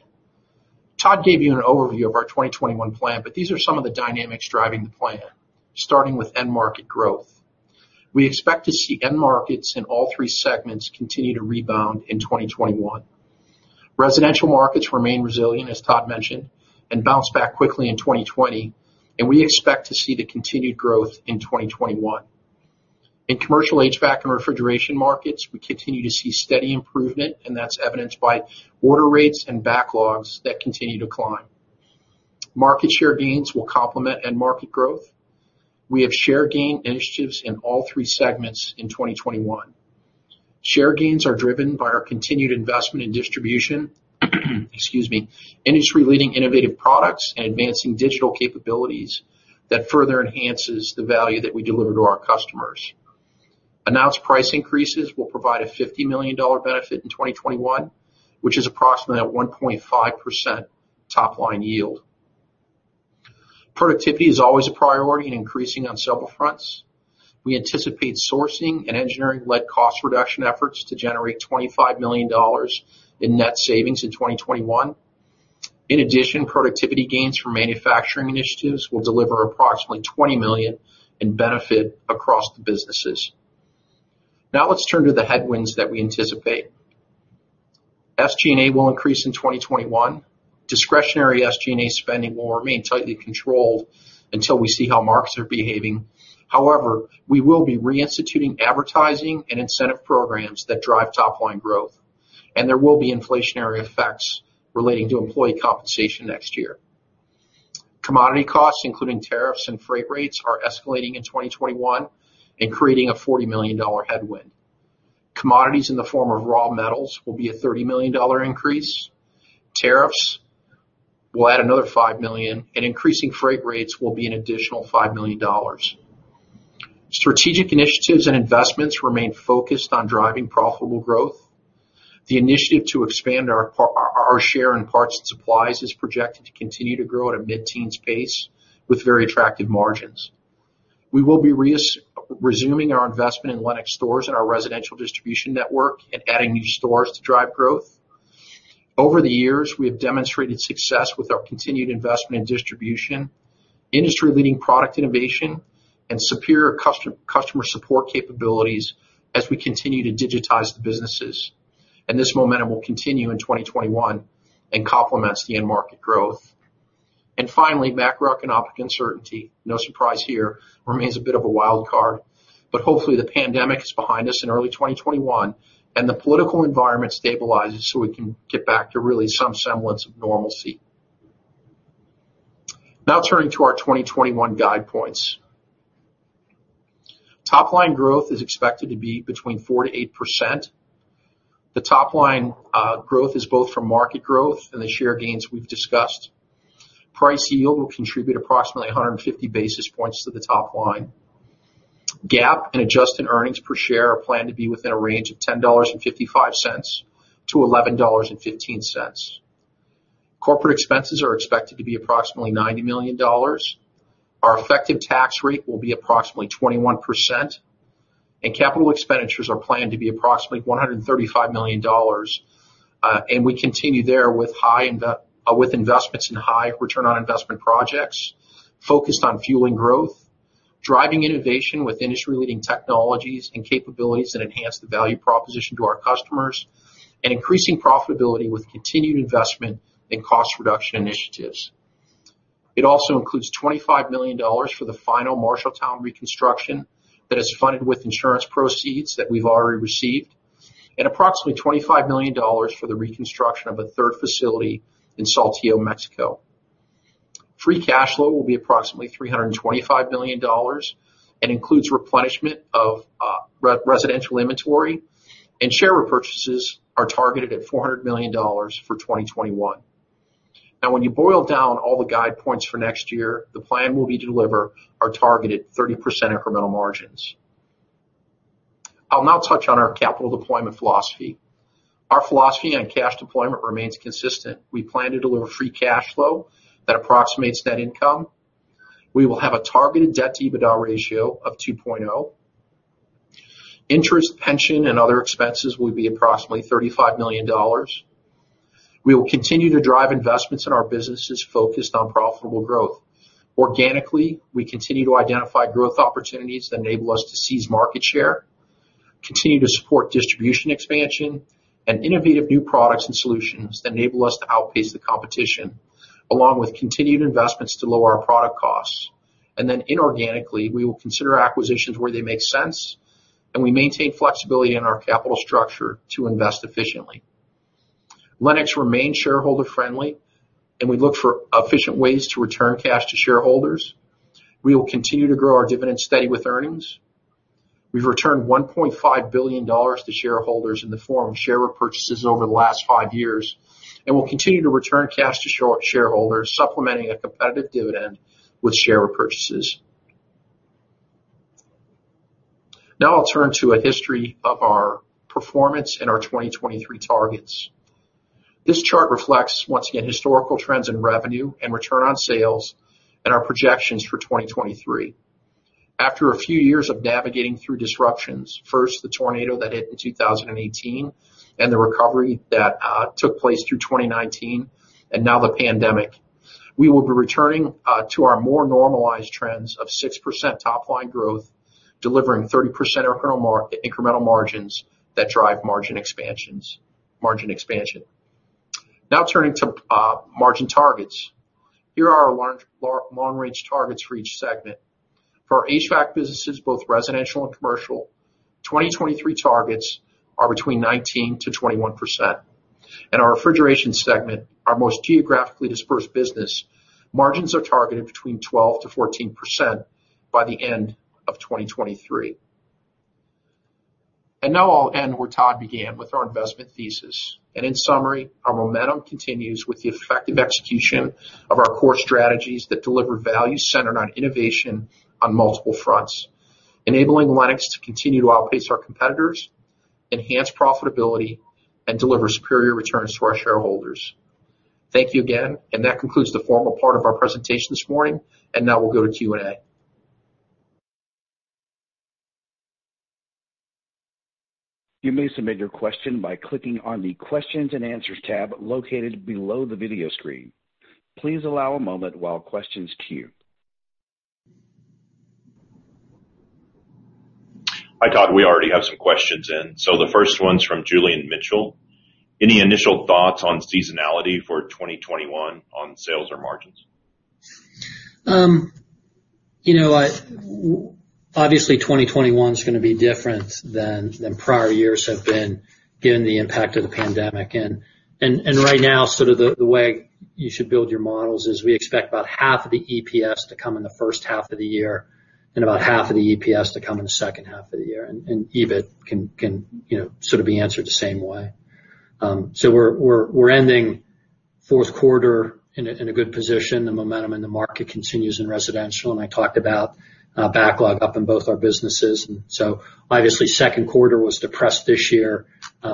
Todd gave you an overview of our 2021 plan. These are some of the dynamics driving the plan, starting with end market growth. We expect to see end markets in all three segments continue to rebound in 2021. Residential markets remain resilient, as Todd mentioned, and bounced back quickly in 2020, and we expect to see the continued growth in 2021. In commercial HVAC and refrigeration markets, we continue to see steady improvement, and that's evidenced by order rates and backlogs that continue to climb. Market share gains will complement end market growth. We have share gain initiatives in all three segments in 2021. Share gains are driven by our continued investment in distribution, industry-leading innovative products and advancing digital capabilities that further enhances the value that we deliver to our customers. Announced price increases will provide a $50 million benefit in 2021, which is approximately a 1.5% top-line yield. Productivity is always a priority and increasing on several fronts. We anticipate sourcing and engineering-led cost reduction efforts to generate $25 million in net savings in 2021. In addition, productivity gains from manufacturing initiatives will deliver approximately $20 million in benefit across the businesses. Now let's turn to the headwinds that we anticipate. SG&A will increase in 2021. Discretionary SG&A spending will remain tightly controlled until we see how markets are behaving. However, we will be reinstituting advertising and incentive programs that drive top-line growth, and there will be inflationary effects relating to employee compensation next year. Commodity costs, including tariffs and freight rates, are escalating in 2021 and creating a $40 million headwind. Commodities in the form of raw metals will be a $30 million increase. Tariffs will add another $5 million, and increasing freight rates will be an additional $5 million. Strategic initiatives and investments remain focused on driving profitable growth. The initiative to expand our share in parts and supplies is projected to continue to grow at a mid-teens pace with very attractive margins. We will be resuming our investment in Lennox stores and our residential distribution network and adding new stores to drive growth. Over the years, we have demonstrated success with our continued investment in distribution, industry-leading product innovation, and superior customer support capabilities as we continue to digitize the businesses. This momentum will continue in 2021 and complements the end market growth. Finally, macroeconomic uncertainty, no surprise here, remains a bit of a wild card. Hopefully, the pandemic is behind us in early 2021, and the political environment stabilizes so we can get back to really some semblance of normalcy. Turning to our 2021 guide points. Top-line growth is expected to be between 4%-8%. Top-line growth is both from market growth and the share gains we've discussed. Price yield will contribute approximately 150 basis points to the top-line. GAAP and adjusted earnings per share are planned to be within a range of $10.55-$11.15. Corporate expenses are expected to be approximately $90 million. Our effective tax rate will be approximately 21%, and capital expenditures are planned to be approximately $135 million. We continue there with investments in high return on investment projects, focused on fueling growth, driving innovation with industry-leading technologies and capabilities that enhance the value proposition to our customers, and increasing profitability with continued investment in cost reduction initiatives. It also includes $25 million for the final Marshalltown reconstruction that is funded with insurance proceeds that we've already received, and approximately $25 million for the reconstruction of a third facility in Saltillo, Mexico. Free cash flow will be approximately $325 million and includes replenishment of residential inventory, and share repurchases are targeted at $400 million for 2021. When you boil down all the guide points for next year, the plan will be to deliver our targeted 30% incremental margins. I'll now touch on our capital deployment philosophy. Our philosophy on cash deployment remains consistent. We plan to deliver free cash flow that approximates net income. We will have a targeted debt-to-EBITDA ratio of 2.0. Interest, pension, and other expenses will be approximately $35 million. We will continue to drive investments in our businesses focused on profitable growth. Organically, we continue to identify growth opportunities that enable us to seize market share, continue to support distribution expansion, and innovative new products and solutions that enable us to outpace the competition, along with continued investments to lower our product costs. Then inorganically, we will consider acquisitions where they make sense, and we maintain flexibility in our capital structure to invest efficiently. Lennox remains shareholder-friendly, and we look for efficient ways to return cash to shareholders. We will continue to grow our dividend steady with earnings. We've returned $1.5 billion to shareholders in the form of share repurchases over the last five years, and we'll continue to return cash to shareholders, supplementing a competitive dividend with share repurchases. Now I'll turn to a history of our performance and our 2023 targets. This chart reflects, once again, historical trends in revenue and return on sales and our projections for 2023. After a few years of navigating through disruptions, first, the tornado that hit in 2018 and the recovery that took place through 2019, and now the pandemic. We will be returning to our more normalized trends of 6% top-line growth, delivering 30% incremental margins that drive margin expansion. Now turning to margin targets. Here are our long-range targets for each segment. For our HVAC businesses, both residential and commercial, 2023 targets are between 19%-21%. In our refrigeration segment, our most geographically dispersed business, margins are targeted between 12%-14% by the end of 2023. Now I'll end where Todd began, with our investment thesis. In summary, our momentum continues with the effective execution of our core strategies that deliver value centered on innovation on multiple fronts, enabling Lennox to continue to outpace our competitors, enhance profitability, and deliver superior returns to our shareholders. Thank you again. That concludes the formal part of our presentation this morning. Now we'll go to Q&A. You may submit your question by clicking on the Questions and Answers tab located below the video screen. Please allow a moment while questions queue. Hi, Todd. We already have some questions in. The first one's from Julian Mitchell. Any initial thoughts on seasonality for 2021 on sales or margins? 2021 is going to be different than prior years have been given the impact of the pandemic. Right now, the way you should build your models is we expect about half of the EPS to come in the first half of the year and about half of the EPS to come in the second half of the year. EBIT can sort of be answered the same way. We're ending fourth quarter in a good position. The momentum in the market continues in residential, and I talked about backlog up in both our businesses. Obviously, second quarter was depressed this year.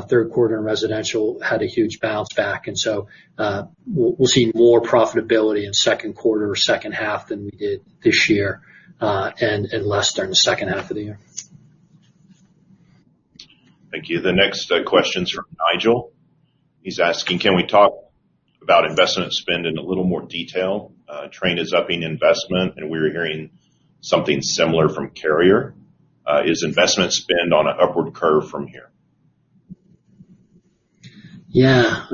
Third quarter in residential had a huge bounce back. We'll see more profitability in second quarter or second half than we did this year, and less there in the second half of the year. Thank you. The next question's from Nigel. He's asking, can we talk about investment spend in a little more detail? Trane is upping investment, and we're hearing something similar from Carrier. Is investment spend on an upward curve from here? Yeah.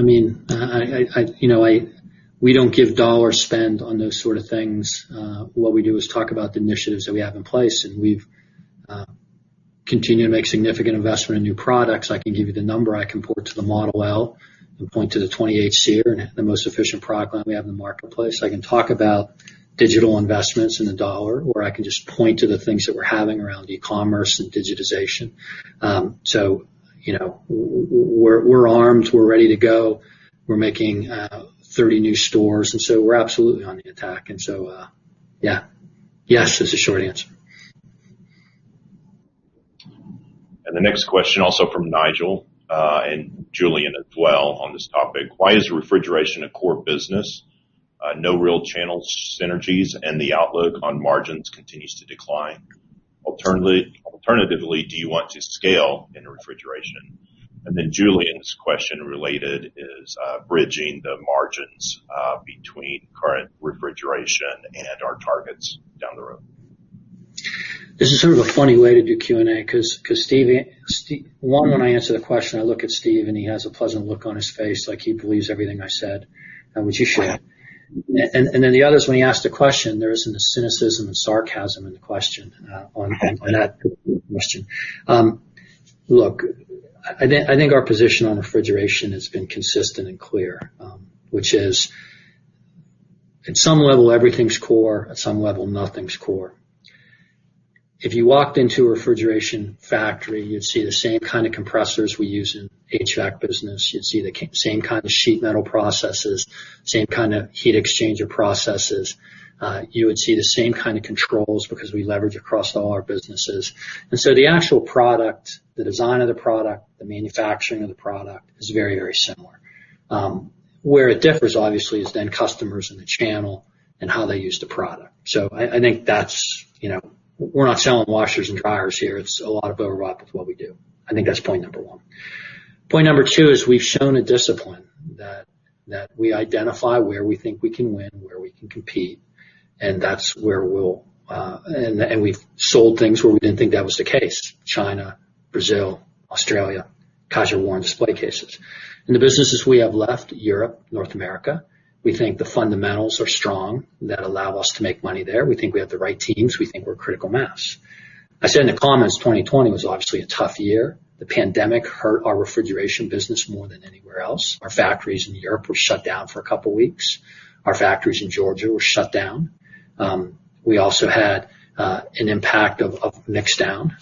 We don't give dollar spend on those sort of things. What we do is talk about the initiatives that we have in place, and we've continued to make significant investment in new products. I can give you the number. I can point to the Model L and point to the 28 SEER, the most efficient product line we have in the marketplace. I can talk about. Digital investments in the dollar, or I can just point to the things that we're having around e-commerce and digitization. We're armed, we're ready to go. We're making 30 new stores, we're absolutely on the attack. Yes is the short answer. The next question also from Nigel, and Julian as well on this topic. "Why is refrigeration a core business? No real channel synergies and the outlook on margins continues to decline. Alternatively, do you want to scale in refrigeration?" Julian's question related is bridging the margins between current refrigeration and our targets down the road. This is sort of a funny way to do Q&A, because one, when I answer the question, I look at Steve, and he has a pleasant look on his face like he believes everything I said, which he should. Then the others, when he asked a question, there's a cynicism and sarcasm in the question on that question. Look, I think our position on refrigeration has been consistent and clear, which is, at some level, everything's core, at some level, nothing's core. If you walked into a refrigeration factory, you'd see the same kind of compressors we use in HVAC business. You'd see the same kind of sheet metal processes, same kind of heat exchanger processes. You would see the same kind of controls because we leverage across all our businesses. The actual product, the design of the product, the manufacturing of the product is very, very similar. Where it differs, obviously, is customers in the channel and how they use the product. I think that's, we're not selling washers and dryers here. It's a lot of overlap with what we do. I think that's point number one. Point number two is we've shown a discipline that we identify where we think we can win, where we can compete, and that's where we'll. We've sold things where we didn't think that was the case, China, Brazil, Australia, Kysor Warren display cases. In the businesses we have left, Europe, North America, we think the fundamentals are strong that allow us to make money there. We think we have the right teams. We think we're critical mass. I said in the comments, 2020 was obviously a tough year. The pandemic hurt our refrigeration business more than anywhere else. Our factories in Europe were shut down for a couple of weeks. Our factories in Georgia were shut down. We also had an impact of mix down.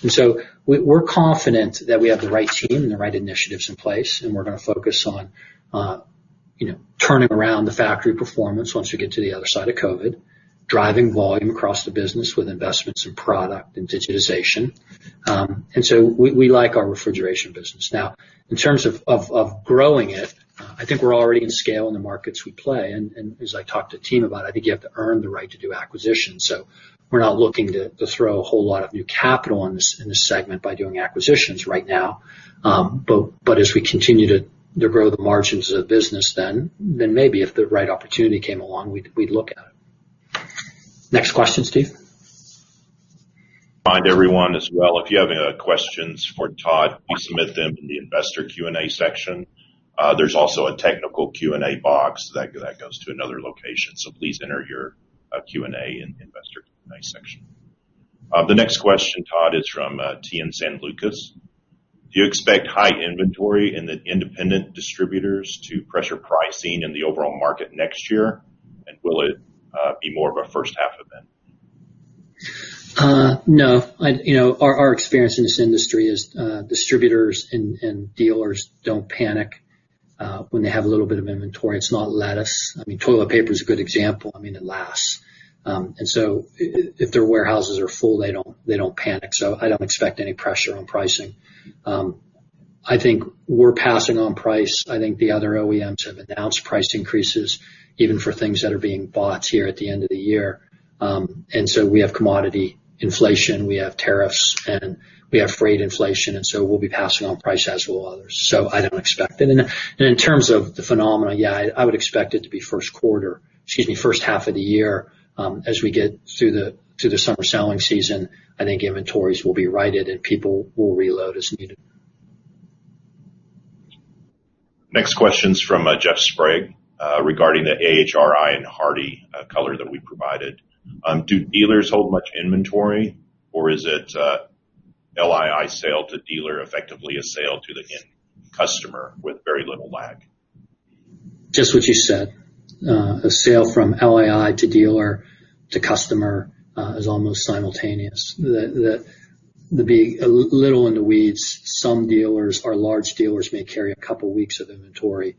We're confident that we have the right team and the right initiatives in place, and we're going to focus on turning around the factory performance once we get to the other side of COVID, driving volume across the business with investments in product and digitization. We like our refrigeration business. Now, in terms of growing it, I think we're already in scale in the markets we play. As I talked to the team about it, I think you have to earn the right to do acquisitions. We're not looking to throw a whole lot of new capital in this segment by doing acquisitions right now. As we continue to grow the margins of the business then maybe if the right opportunity came along, we'd look at it. Next question, Steve. Remind everyone as well, if you have any questions for Todd, please submit them in the investor Q&A section. There's also a technical Q&A box that goes to another location. Please enter your Q&A in the investor Q&A section. The next question, Todd, is from [TN Sanlucas]. "Do you expect high inventory in the independent distributors to pressure pricing in the overall market next year? Will it be more of a first half event? No. Our experience in this industry is distributors and dealers don't panic when they have a little bit of inventory. It's not lettuce. Toilet paper is a good example. It lasts. If their warehouses are full, they don't panic. I don't expect any pressure on pricing. I think we're passing on price. I think the other OEMs have announced price increases, even for things that are being bought here at the end of the year. We have commodity inflation, we have tariffs, and we have freight inflation, we'll be passing on price as will others. I don't expect it. In terms of the phenomena, yeah, I would expect it to be first quarter, excuse me, first half of the year. As we get through the summer selling season, I think inventories will be righted, and people will reload as needed. Next question's from Jeff Sprague, regarding the AHRI and HARDI color that we provided. "Do dealers hold much inventory or is it LII sale to dealer effectively a sale to the end customer with very little lag? Just what you said. A sale from LII to dealer to customer is almost simultaneous. To be a little in the weeds, some dealers or large dealers may carry a couple weeks of inventory.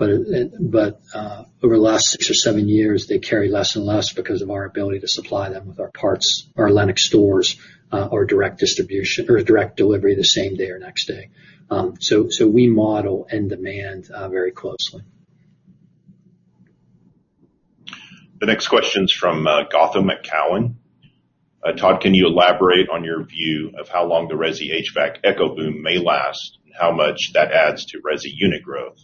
Over the last six or seven years, they carry less and less because of our ability to supply them with our parts, our Lennox stores, or direct distribution or direct delivery the same day or next day. We model and demand very closely. The next question's from Gautam Khanna. "Todd, can you elaborate on your view of how long the resi HVAC echo boom may last and how much that adds to resi unit growth?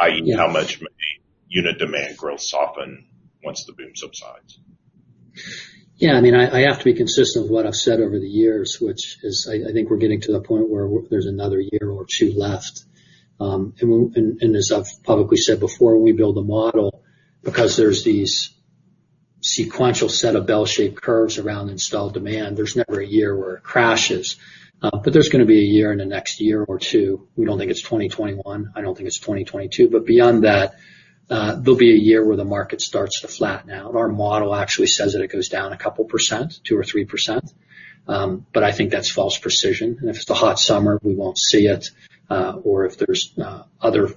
I.e., how much may unit demand growth soften once the boom subsides? Yeah. I have to be consistent with what I've said over the years, which is, I think we're getting to the point where there's another year or two left. As I've publicly said before, we build a model because there's these sequential set of bell-shaped curves around installed demand. There's never a year where it crashes, but there's going to be a year in the next year or two. We don't think it's 2021. I don't think it's 2022. Beyond that, there'll be a year where the market starts to flatten out. Our model actually says that it goes down a couple percent, 2% or 3%, but I think that's false precision. If it's the hot summer, we won't see it. If there's other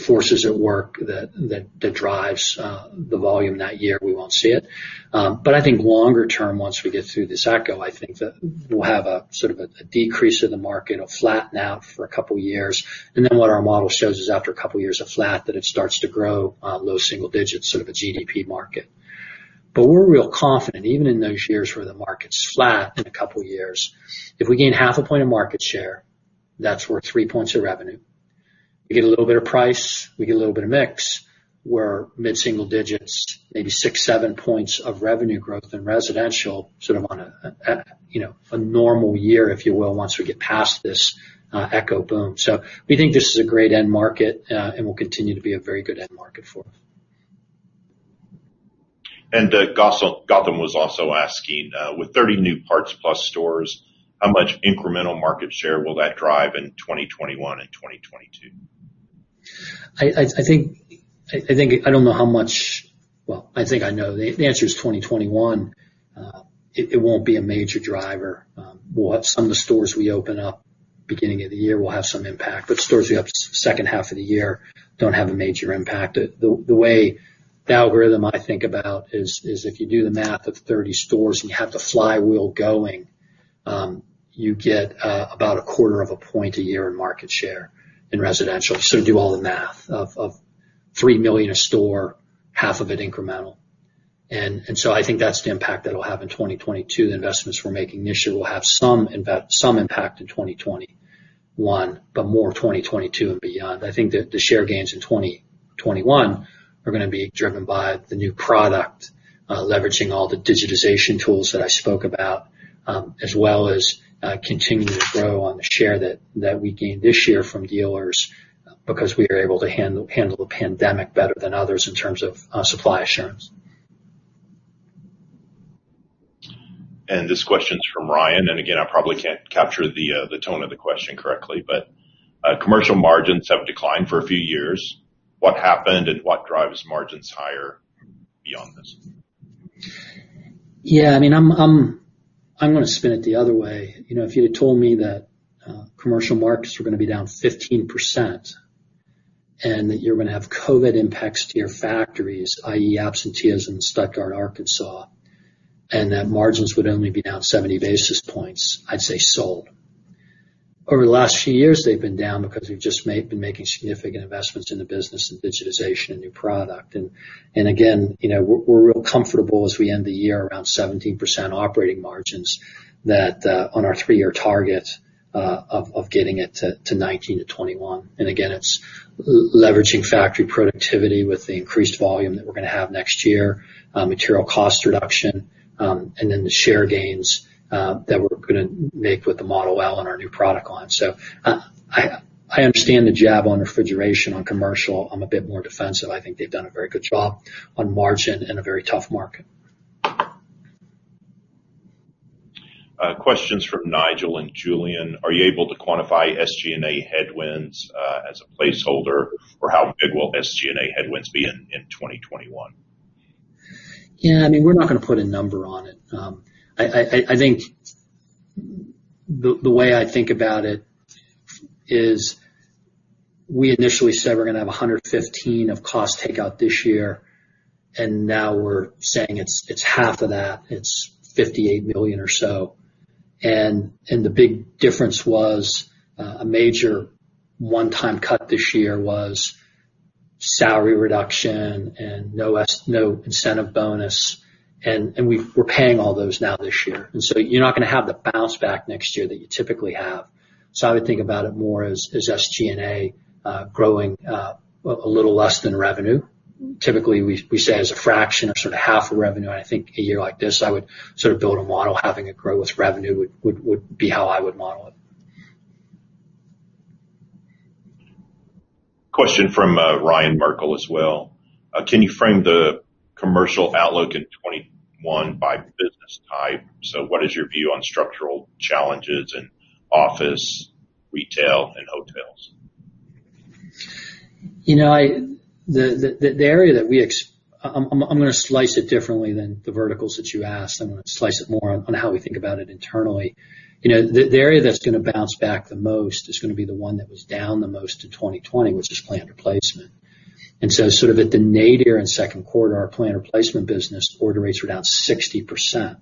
forces at work that drives the volume that year, we won't see it. I think longer term, once we get through this echo, I think that we'll have a sort of a decrease in the market, a flatten out for a couple of years, and then what our model shows is after a couple of years of flat that it starts to grow, low single digits, sort of a GDP market. We're real confident even in those years where the market's flat in a couple of years. If we gain half a point of market share, that's worth three points of revenue. We get a little bit of price, we get a little bit of mix. We're mid-single digits, maybe six, seven points of revenue growth in residential, sort of on a normal year, if you will, once we get past this echo boom. We think this is a great end market and will continue to be a very good end market for us. Gautam was also asking, with 30 new PartsPlus stores, how much incremental market share will that drive in 2021 and 2022? I don't know how much Well, I think I know. The answer is 2021, it won't be a major driver. Some of the stores we open up beginning of the year will have some impact, but stores we open up second half of the year don't have a major impact. The way the algorithm I think about is if you do the math of 30 stores and you have the flywheel going, you get about a quarter of a point a year in market share in residential. Do all the math of $3 million a store, half of it incremental. I think that's the impact that'll have in 2022. The investments we're making this year will have some impact in 2021, but more 2022 and beyond. I think that the share gains in 2021 are going to be driven by the new product, leveraging all the digitization tools that I spoke about, as well as continuing to grow on the share that we gained this year from dealers because we were able to handle the pandemic better than others in terms of supply assurance. This question's from Ryan, and again, I probably can't capture the tone of the question correctly, but commercial margins have declined for a few years. What happened and what drives margins higher beyond this? Yeah. I'm going to spin it the other way. If you'd have told me that commercial markets were going to be down 15% and that you're going to have COVID-19 impacts to your factories, i.e., absenteeism in Stuttgart, Arkansas, and that margins would only be down 70 basis points, I'd say sold. Over the last few years, they've been down because we've just been making significant investments in the business in digitization and new product. Again, we're real comfortable as we end the year around 17% operating margins that on our three-year target of getting it to 19%-21%. Again, it's leveraging factory productivity with the increased volume that we're going to have next year, material cost reduction, and then the share gains that we're going to make with the Model L and our new product line. I understand the jab on refrigeration on commercial. I'm a bit more defensive. I think they've done a very good job on margin in a very tough market. Questions from Nigel and Julian. Are you able to quantify SG&A headwinds as a placeholder? How big will SG&A headwinds be in 2021? Yeah. We're not going to put a number on it. The way I think about it is we initially said we're going to have 115 of cost takeout this year, now we're saying it's half of that. It's $58 million or so. The big difference was a major one-time cut this year was salary reduction and no incentive bonus, and we're paying all those now this year. You're not going to have the bounce back next year that you typically have. I would think about it more as SG&A growing a little less than revenue. Typically, we say as a fraction of sort of half of revenue, and I think a year like this, I would sort of build a model. Having it grow with revenue would be how I would model it. Question from Ryan Merkel as well. Can you frame the commercial outlook in 2021 by business type? What is your view on structural challenges in office, retail, and hotels? I'm going to slice it differently than the verticals that you asked. I'm going to slice it more on how we think about it internally. The area that's going to bounce back the most is going to be the one that was down the most to 2020, which is planned replacement. Sort of at the nadir in second quarter, our planned replacement business order rates were down 60%.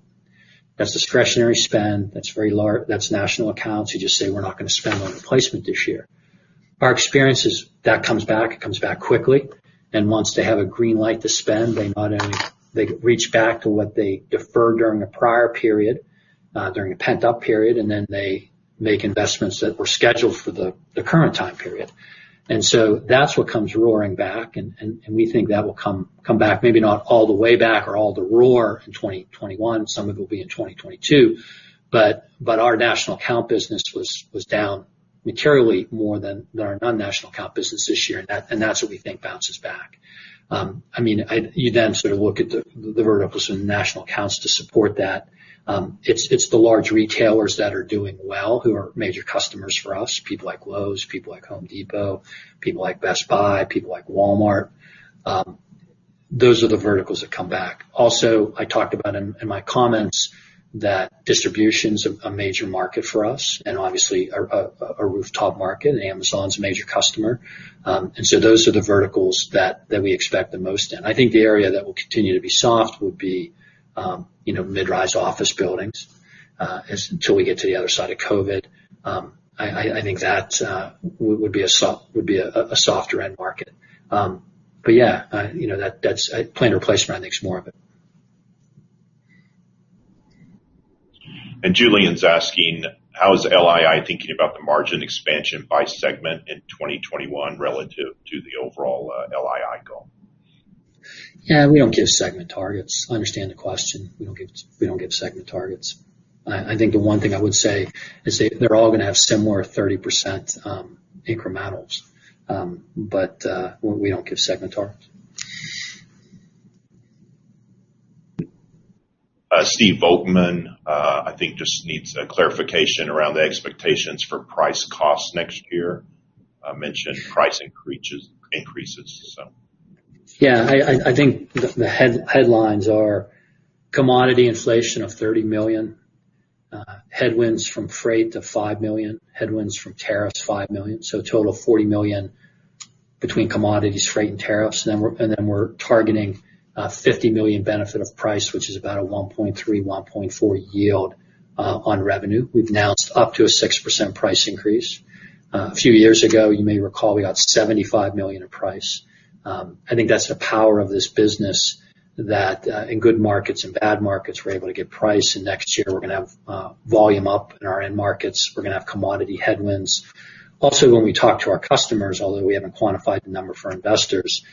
That's discretionary spend. That's national accounts who just say, "We're not going to spend on replacement this year." Our experience is that comes back, it comes back quickly, and once they have a green light to spend, they not only reach back to what they deferred during a prior period, during a pent-up period, and then they make investments that were scheduled for the current time period. That's what comes roaring back, and we think that will come back maybe not all the way back or all the roar in 2021. Some of it will be in 2022. Our national account business was down materially more than our non-national account business this year, and that's what we think bounces back. You sort of look at the verticals in national accounts to support that. It's the large retailers that are doing well, who are major customers for us, people like Lowe's, people like Home Depot, people like Best Buy, people like Walmart. Those are the verticals that come back. I talked about in my comments that distribution's a major market for us, and obviously a rooftop market. Amazon's a major customer. Those are the verticals that we expect the most in. I think the area that will continue to be soft would be mid-rise office buildings, until we get to the other side of COVID. I think that would be a softer end market. Yeah, planned replacement I think is more of it. Julian's asking, How is LII thinking about the margin expansion by segment in 2021 relative to the overall LII goal? Yeah. We don't give segment targets. I understand the question. We don't give segment targets. I think the one thing I would say is they're all going to have similar 30% incrementals. We don't give segment targets. [Steve O'Brien], I think, just needs a clarification around the expectations for price costs next year, mentioned price increases. I think the headlines are commodity inflation of $30 million, headwinds from freight of $5 million, headwinds from tariffs $5 million. A total of $40 million between commodities, freight, and tariffs. We're targeting a $50 million benefit of price, which is about a 1.3-1.4 yield on revenue. We've announced up to a 6% price increase. A few years ago, you may recall, we got $75 million in price. I think that's the power of this business, that in good markets and bad markets, we're able to get price. Next year, we're going to have volume up in our end markets. We're going to have commodity headwinds. Also, when we talk to our customers, although we haven't quantified the number for investors,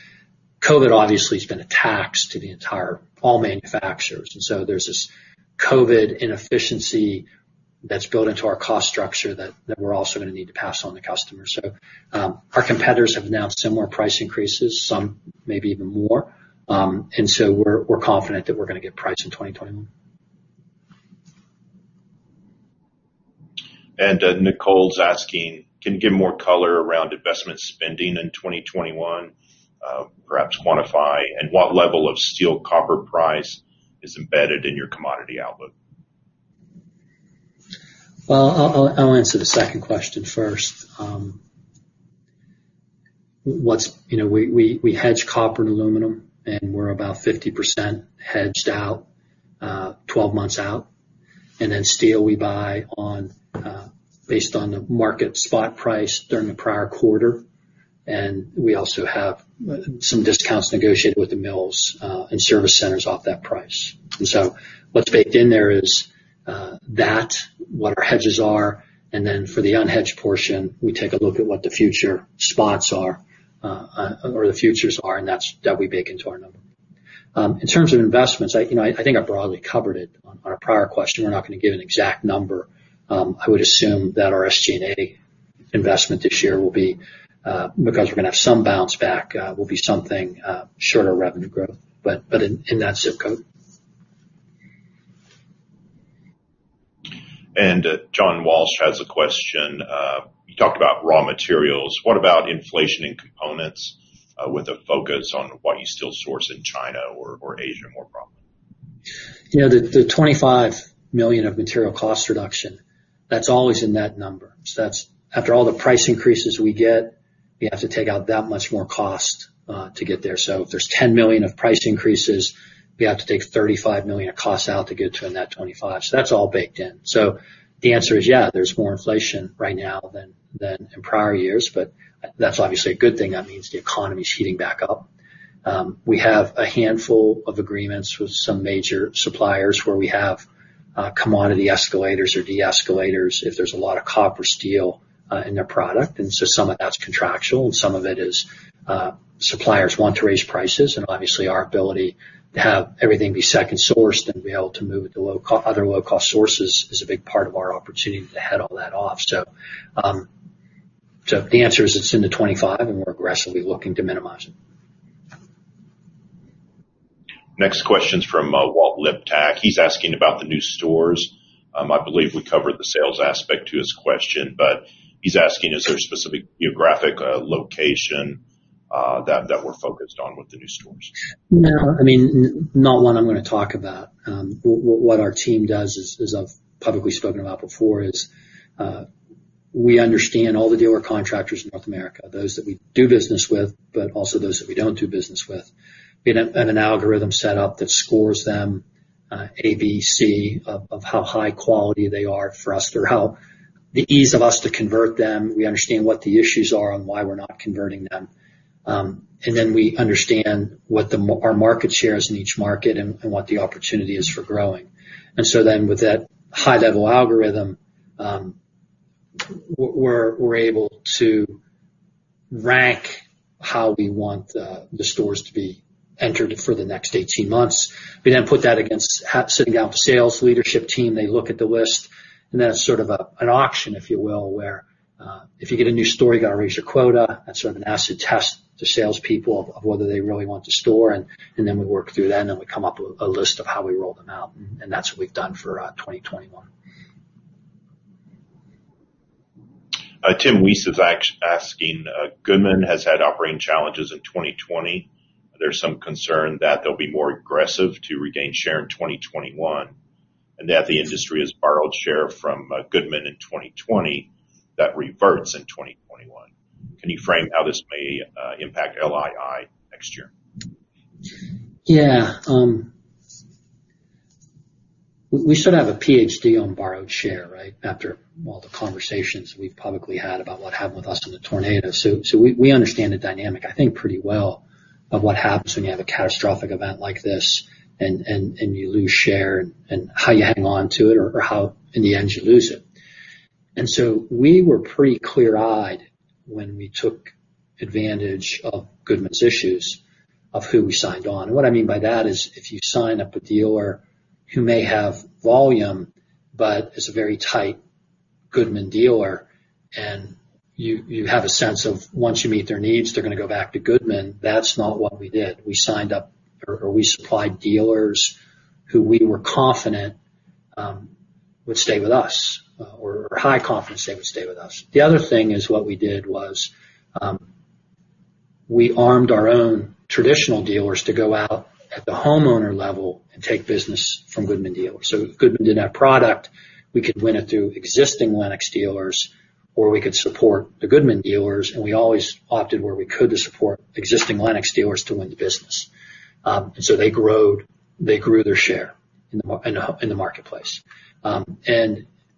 COVID obviously has been a tax to all manufacturers. There's this COVID inefficiency that's built into our cost structure that we're also going to need to pass on to customers. Our competitors have announced similar price increases, some maybe even more. We're confident that we're going to get price in 2021. Nicole's asking, "Can you give more color around investment spending in 2021? Perhaps quantify. What level of steel copper price is embedded in your commodity outlook? I'll answer the second question first. We hedge copper and aluminum, and we're about 50% hedged out 12 months out. Then steel, we buy based on the market spot price during the prior quarter. We also have some discounts negotiated with the mills, and service centers off that price. What's baked in there is that, what our hedges are. Then for the unhedged portion, we take a look at what the future spots are, or the futures are, and that we bake into our number. In terms of investments, I think I broadly covered it on our prior question. We're not going to give an exact number. I would assume that our SG&A investment this year will be, because we're going to have some bounce back, will be something short of revenue growth, but in that ZIP code. John Walsh has a question. "You talked about raw materials. What about inflation in components, with a focus on what you still source in China or Asia more broadly? The $25 million of material cost reduction, that's always in that number. After all the price increases we get, we have to take out that much more cost to get there. If there's $10 million of price increases, we have to take $35 million of costs out to get to a net $25 million. That's all baked in. The answer is, yeah, there's more inflation right now than in prior years, but that's obviously a good thing. That means the economy's heating back up. We have a handful of agreements with some major suppliers where we have commodity escalators or de-escalators if there's a lot of copper, steel in their product. Some of that's contractual and some of it is suppliers want to raise prices, and obviously our ability to have everything be second sourced and be able to move at other low-cost sources is a big part of our opportunity to head all that off. The answer is, it's in the $25, and we're aggressively looking to minimize it. Next question's from Walt Liptak. He's asking about the new stores. I believe we covered the sales aspect to his question, but he's asking, is there a specific geographic location that we're focused on with the new stores? No. Not one I'm going to talk about. What our team does is, I've publicly spoken about before, we understand all the dealer contractors in North America, those that we do business with, but also those that we don't do business with. We have an algorithm set up that scores them, A, B, C, of how high quality they are for us, or how the ease of us to convert them. We understand what the issues are and why we're not converting them. We understand what our market share is in each market and what the opportunity is for growing. With that high-level algorithm, we're able to rank how we want the stores to be entered for the next 18 months. We then put that against sitting down with sales leadership team, they look at the list, and then it's sort of an auction, if you will, where, if you get a new store, you got to raise your quota. That's sort of an acid test to salespeople of whether they really want the store and then we work through that, and then we come up with a list of how we roll them out. That's what we've done for 2021. [Tim Wojs] is asking, "Goodman has had operating challenges in 2020. There's some concern that they'll be more aggressive to regain share in 2021, and that the industry has borrowed share from Goodman in 2020 that reverts in 2021. Can you frame how this may impact LII next year? Yeah. We sort of have a PhD on borrowed share, right? After all the conversations we've publicly had about what happened with us in the tornado. We understand the dynamic, I think, pretty well, of what happens when you have a catastrophic event like this, and you lose share and how you hang on to it or how, in the end, you lose it. We were pretty clear-eyed when we took advantage of Goodman's issues of who we signed on. What I mean by that is, if you sign up a dealer who may have volume, but is a very tight Goodman dealer, and you have a sense of once you meet their needs, they're going to go back to Goodman. That's not what we did. We signed up or we supplied dealers who we were confident would stay with us, or high confidence they would stay with us. The other thing is what we did was, we armed our own traditional dealers to go out at the homeowner level and take business from Goodman dealers. If Goodman didn't have product, we could win it through existing Lennox dealers, or we could support the Goodman dealers. We always opted where we could to support existing Lennox dealers to win the business. They grew their share in the marketplace.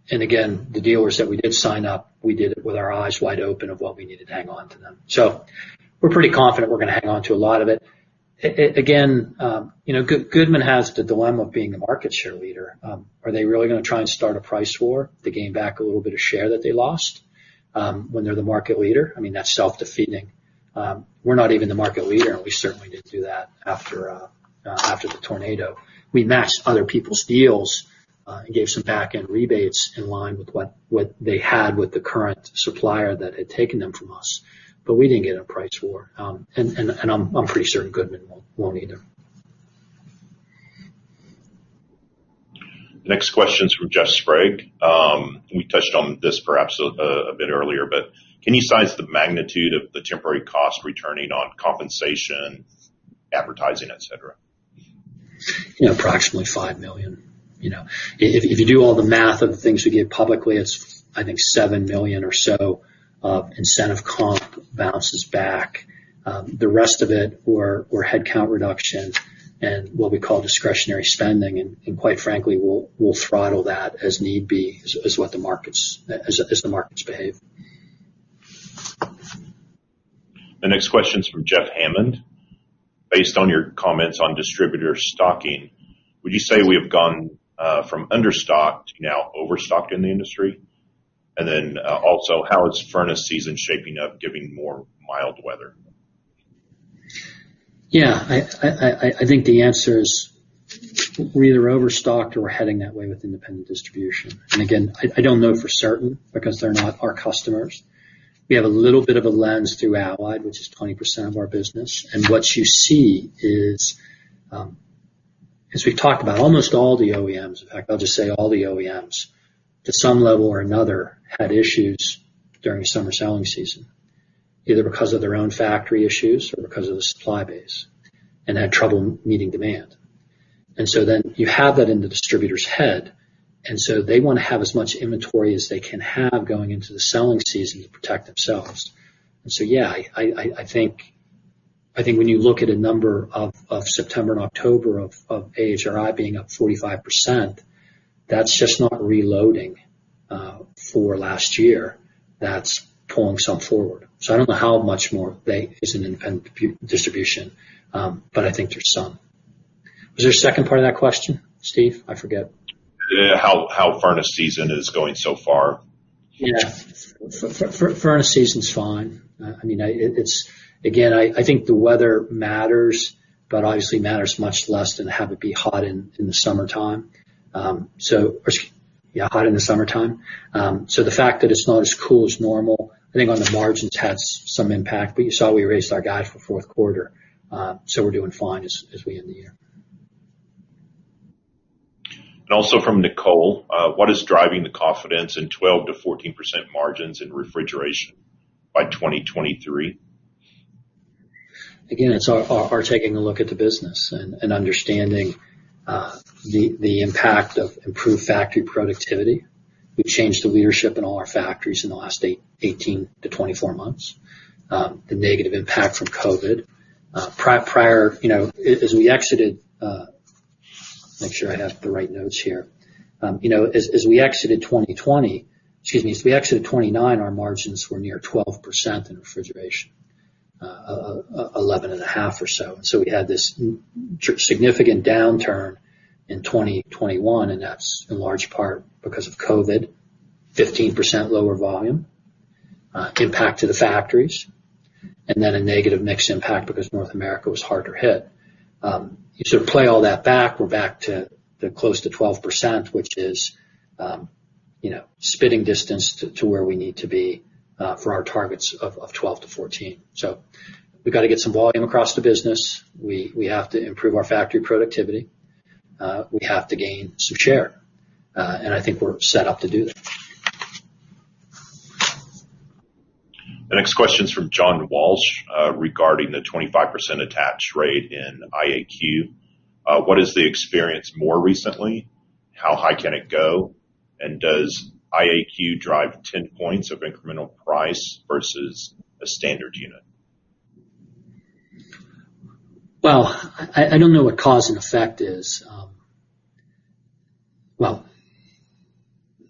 Again, the dealers that we did sign up, we did it with our eyes wide open of what we needed to hang on to them. We're pretty confident we're going to hang on to a lot of it. Again, Goodman has the dilemma of being the market share leader. Are they really going to try and start a price war to gain back a little bit of share that they lost, when they're the market leader? I mean, that's self-defeating. We're not even the market leader, and we certainly didn't do that after the tornado. We matched other people's deals, and gave some back-end rebates in line with what they had with the current supplier that had taken them from us. We didn't get in a price war. I'm pretty certain Goodman won't either. Next question is from Jeff Sprague. We touched on this perhaps a bit earlier, but can you size the magnitude of the temporary cost returning on compensation, advertising, et cetera? Approximately $5 million. If you do all the math of the things we give publicly, it's, I think, $7 million or so of incentive comp bounces back. The rest of it or headcount reduction and what we call discretionary spending, and quite frankly, we'll throttle that as need be as the markets behave. The next question is from Jeff Hammond. Based on your comments on distributor stocking, would you say we have gone from understocked to now overstocked in the industry? Also, how is furnace season shaping up giving more mild weather? Yeah. I think the answer is we're either overstocked or we're heading that way with independent distribution. Again, I don't know for certain because they're not our customers. We have a little bit of a lens through Allied, which is 20% of our business. What you see is, as we've talked about almost all the OEMs, in fact, I'll just say all the OEMs, to some level or another, had issues during summer selling season, either because of their own factory issues or because of the supply base, and had trouble meeting demand. You have that in the distributor's head, and so they want to have as much inventory as they can have going into the selling season to protect themselves. Yeah, I think when you look at a number of September and October of AHRI being up 45%, that's just not reloading for last year. That's pulling some forward. I don't know how much more is in independent distribution, but I think there's some. Was there a second part of that question, Steve? I forget. How furnace season is going so far? Yeah. Furnace season's fine. Again, I think the weather matters, but obviously matters much less than have it be hot in the summertime. The fact that it's not as cool as normal, I think on the margins has some impact. You saw we raised our guide for fourth quarter, so we're doing fine as we end the year. Also from Nicole, "What is driving the confidence in 12%-14% margins in refrigeration by 2023? Again, it's our taking a look at the business and understanding the impact of improved factory productivity. We've changed the leadership in all our factories in the last 18-24 months. The negative impact from COVID-19. Make sure I have the right notes here. As we exited 2020, excuse me, as we exited 2029, our margins were near 12% in refrigeration, 11.5% or so. We had this significant downturn in 2021, that's in large part because of COVID-19, 15% lower volume, impact to the factories, a negative mix impact because North America was harder hit. You sort of play all that back, we're back to the close to 12%, which is spitting distance to where we need to be for our targets of 12%-14%. We've got to get some volume across the business. We have to improve our factory productivity. We have to gain some share. I think we're set up to do that. The next question is from John Walsh regarding the 25% attach rate in IAQ. What is the experience more recently? How high can it go? Does IAQ drive 10 points of incremental price versus a standard unit? Well, I don't know what cause and effect is. Well,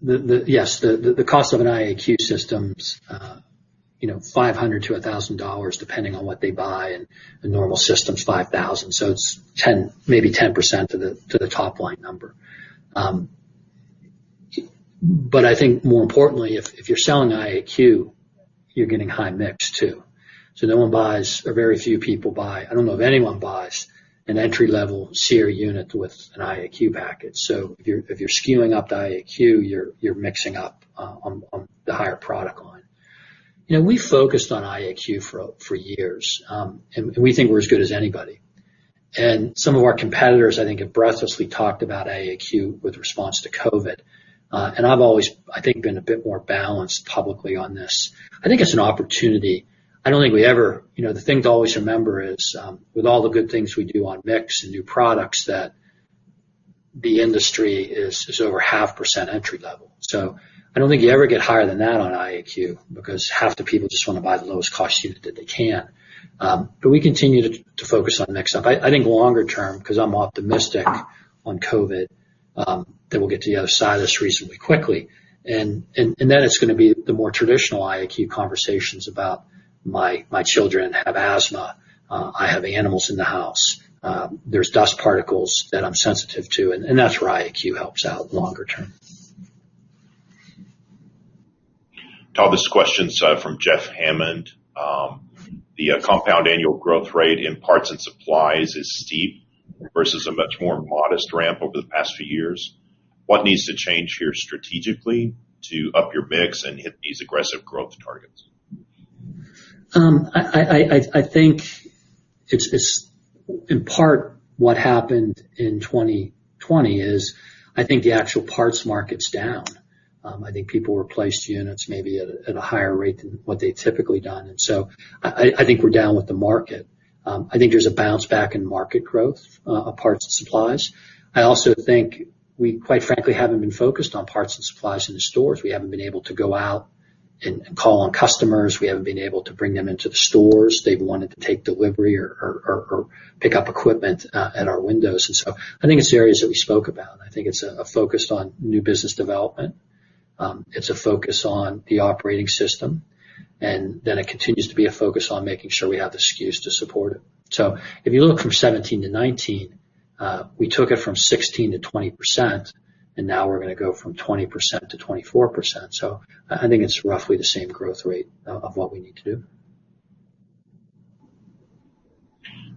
yes, the cost of an IAQ system's $500-$1,000, depending on what they buy, and the normal system's $5,000. It's maybe 10% to the top-line number. I think more importantly, if you're selling IAQ, you're getting high mix, too. No one buys, or very few people buy, I don't know of anyone buys an entry-level SEER unit with an IAQ package. We focused on IAQ for years, and we think we're as good as anybody. Some of our competitors, I think, have breathlessly talked about IAQ with response to COVID-19. I've always, I think, been a bit more balanced publicly on this. I think it's an opportunity. The thing to always remember is, with all the good things we do on mix and new products, that the industry is over half percentage entry level. I don't think you ever get higher than that on IAQ, because half the people just want to buy the lowest cost unit that they can. We continue to focus on mix up. I think longer term, because I'm optimistic on COVID, that we'll get to the other side of this reasonably quickly. It's going to be the more traditional IAQ conversations about, "My children have asthma. I have animals in the house. There's dust particles that I'm sensitive to." That's where IAQ helps out longer term. Todd, this question's from Jeff Hammond. The compound annual growth rate in parts and supplies is steep versus a much more modest ramp over the past few years. What needs to change here strategically to up your mix and hit these aggressive growth targets? I think it's, in part, what happened in 2020 is, I think the actual parts market's down. I think people replaced units maybe at a higher rate than what they'd typically done. I think we're down with the market. I think there's a bounce back in market growth of parts and supplies. I also think we, quite frankly, haven't been focused on parts and supplies in the stores. We haven't been able to go out and call on customers. We haven't been able to bring them into the stores. They've wanted to take delivery or pick up equipment at our windows. I think it's the areas that we spoke about. I think it's a focus on new business development. It's a focus on the operating system, it continues to be a focus on making sure we have the SKUs to support it. If you look from 2017 to 2019, we took it from 16% to 20%, and now we're going to go from 20% to 24%. I think it's roughly the same growth rate of what we need to do.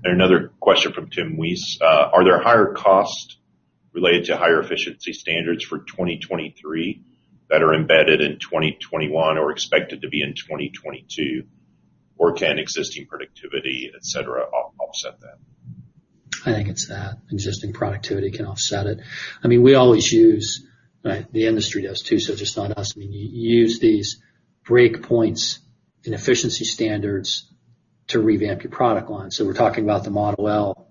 Another question from [Tim Wojs]. Are there higher costs related to higher efficiency standards for 2023 that are embedded in 2021 or expected to be in 2022, or can existing productivity, et cetera, offset that? I think it's that existing productivity can offset it. We always use, the industry does too, so it's not us. We use these break points in efficiency standards to revamp your product line. We're talking about the Model L,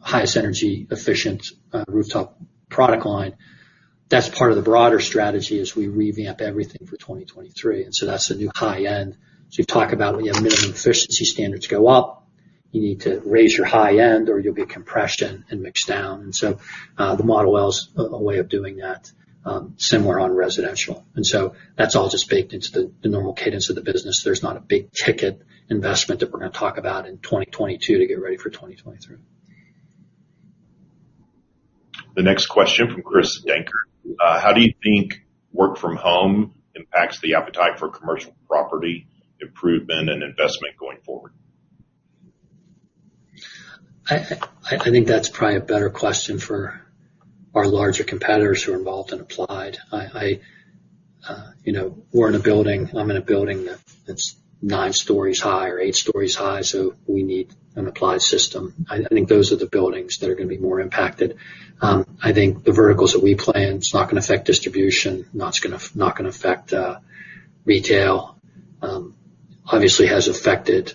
highest energy efficient rooftop product line. That's part of the broader strategy as we revamp everything for 2023. That's the new high end. You talk about when your minimum efficiency standards go up, you need to raise your high end or you'll be compression and mix down. The Model L is a way of doing that, similar on residential. That's all just baked into the normal cadence of the business. There's not a big-ticket investment that we're going to talk about in 2022 to get ready for 2023. The next question from Christopher Dankert. How do you think work from home impacts the appetite for commercial property improvement and investment going forward? I think that's probably a better question for our larger competitors who are involved in applied. We're in a building, I'm in a building that's nine stories high or eight stories high, so we need an applied system. I think those are the buildings that are going to be more impacted. I think the verticals that we play in, it's not going to affect distribution, not going to affect retail. Obviously, has affected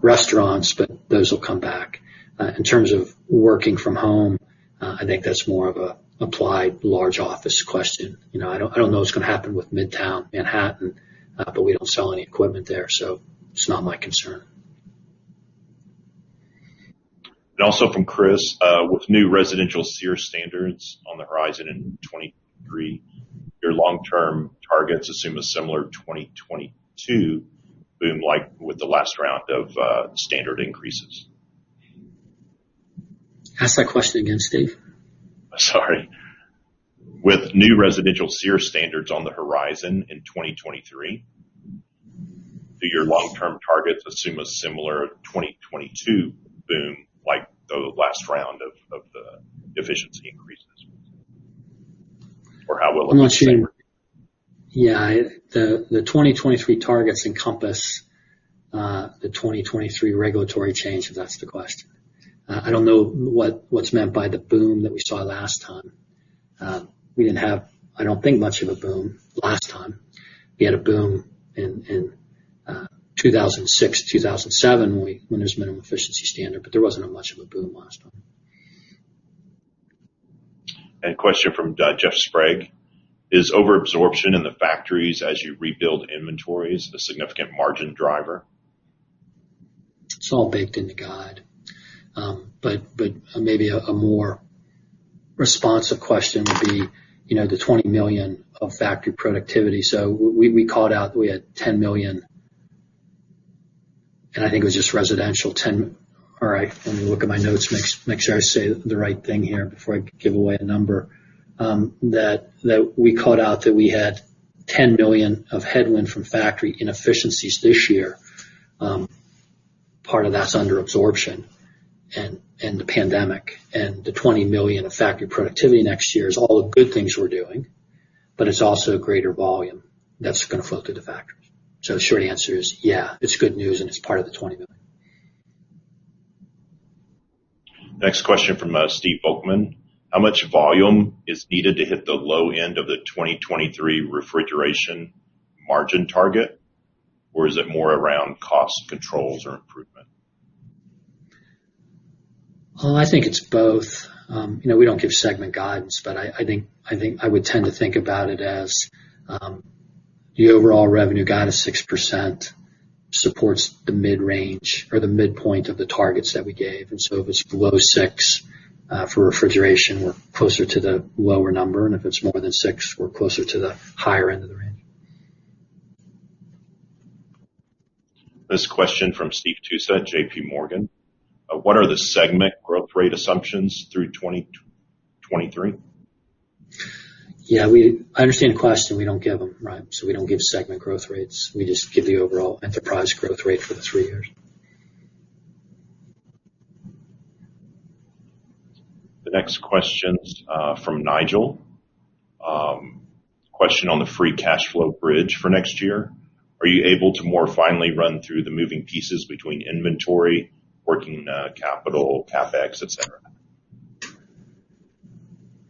restaurants, but those will come back. In terms of working from home, I think that's more of an applied large office question. I don't know what's going to happen with Midtown Manhattan, but we don't sell any equipment there, so it's not my concern. Also from Chris, With new residential SEER standards on the horizon in 2023, your long-term targets assume a similar 2022 boom like with the last round of standard increases. Ask that question again, Steve. Sorry. With new residential SEER standards on the horizon in 2023, do your long-term targets assume a similar 2022 boom like the last round of the efficiency increases? Or how will it be similar? Yeah. The 2023 targets encompass the 2023 regulatory change if that's the question. I don't know what's meant by the boom that we saw last time. We didn't have, I don't think, much of a boom last time. We had a boom in 2006 to 2007 when there was minimum efficiency standard, but there wasn't much of a boom last time. Question from Jeff Sprague, "Is over-absorption in the factories as you rebuild inventories a significant margin driver? It's all baked into guide. Maybe a more responsive question would be the $20 million of factory productivity. We called out that we had $10 million, and I think it was just residential $10 million. All right, let me look at my notes, make sure I say the right thing here before I give away a number. That we called out that we had $10 million of headwind from factory inefficiencies this year. Part of that's under absorption and the pandemic, and the $20 million of factory productivity next year is all the good things we're doing, but it's also greater volume that's going to flow through the factories. The short answer is yeah, it's good news, and it's part of the $20 million. Next question from Steve Volkmann, "How much volume is needed to hit the low end of the 2023 refrigeration margin target? Is it more around cost controls or improvement? Well, I think it's both. We don't give segment guidance, but I would tend to think about it as the overall revenue guide of 6% supports the mid-range or the midpoint of the targets that we gave. If it's below six for refrigeration, we're closer to the lower number, and if it's more than six, we're closer to the higher end of the range. This question from Steve Tusa at JPMorgan, "What are the segment growth rate assumptions through 2023? Yeah. I understand the question. We don't give them, right? We don't give segment growth rates. We just give the overall enterprise growth rate for the three years. The next question's from Nigel. Question on the free cash flow bridge for next year. "Are you able to more finely run through the moving pieces between inventory, working capital, CapEx, et cetera?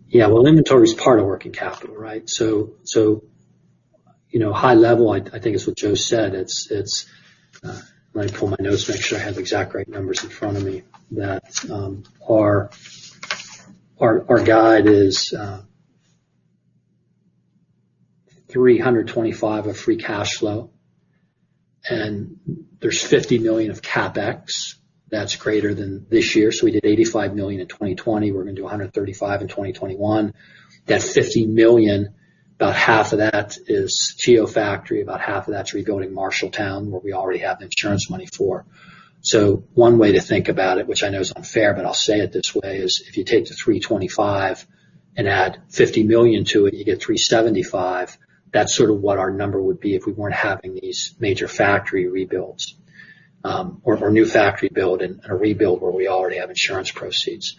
Yeah. Well, inventory's part of working capital, right? High level, I think is what Joe said, let me pull my notes, make sure I have the exact right numbers in front of me. Our guide is $325 of free cash flow, and there's $50 million of CapEx that's greater than this year. We did $85 million in 2020. We're going to do $135 in 2021. $50 million, about half of that is new factory, about half of that's rebuilding Marshalltown, where we already have the insurance money for. One way to think about it, which I know is unfair, but I'll say it this way, is if you take the $325 and add $50 million to it, you get $375. That's sort of what our number would be if we weren't having these major factory rebuilds or if our new factory build and a rebuild where we already have insurance proceeds.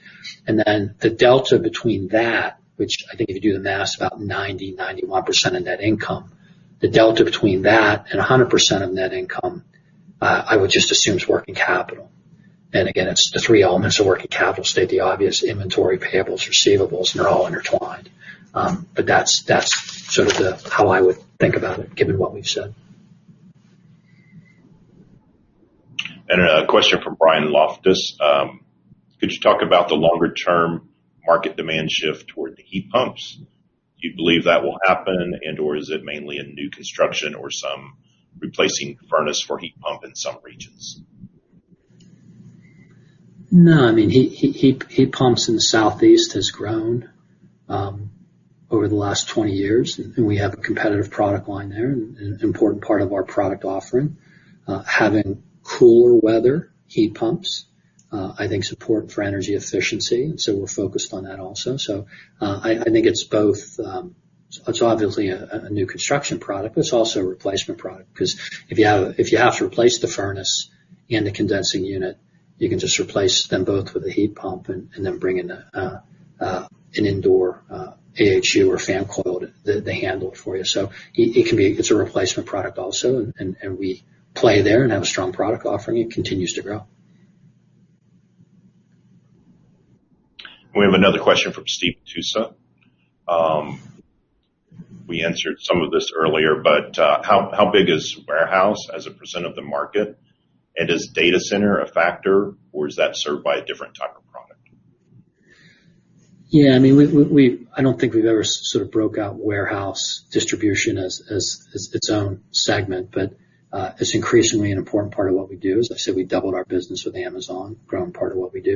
The delta between that, which I think if you do the math is about 90%-91% of net income, the delta between that and 100% of net income, I would just assume is working capital. Again, it's the three elements of working capital state the obvious, inventory, payables, receivables, and they're all intertwined. That's sort of how I would think about it given what we've said. A question from Brian Loftus, "Could you talk about the longer-term market demand shift toward the heat pumps? Do you believe that will happen and/or is it mainly a new construction or some replacing furnace for heat pump in some regions? Heat pumps in the Southeast has grown over the last 20 years, and we have a competitive product line there, an important part of our product offering. Having cooler weather heat pumps, I think support for energy efficiency, we're focused on that also. I think it's both. It's obviously a new construction product, but it's also a replacement product because if you have to replace the furnace and the condensing unit, you can just replace them both with a heat pump and then bring in an indoor AHU or fan coil that they handle for you. It's a replacement product also, and we play there and have a strong product offering. It continues to grow. We have another question from Steve Tusa. We answered some of this earlier, but "How big is warehouse as a % of the market? And is data center a factor or is that served by a different type of product? Yeah. I don't think we've ever sort of broke out warehouse distribution as its own segment, but it's increasingly an important part of what we do. As I said, we doubled our business with Amazon, growing part of what we do.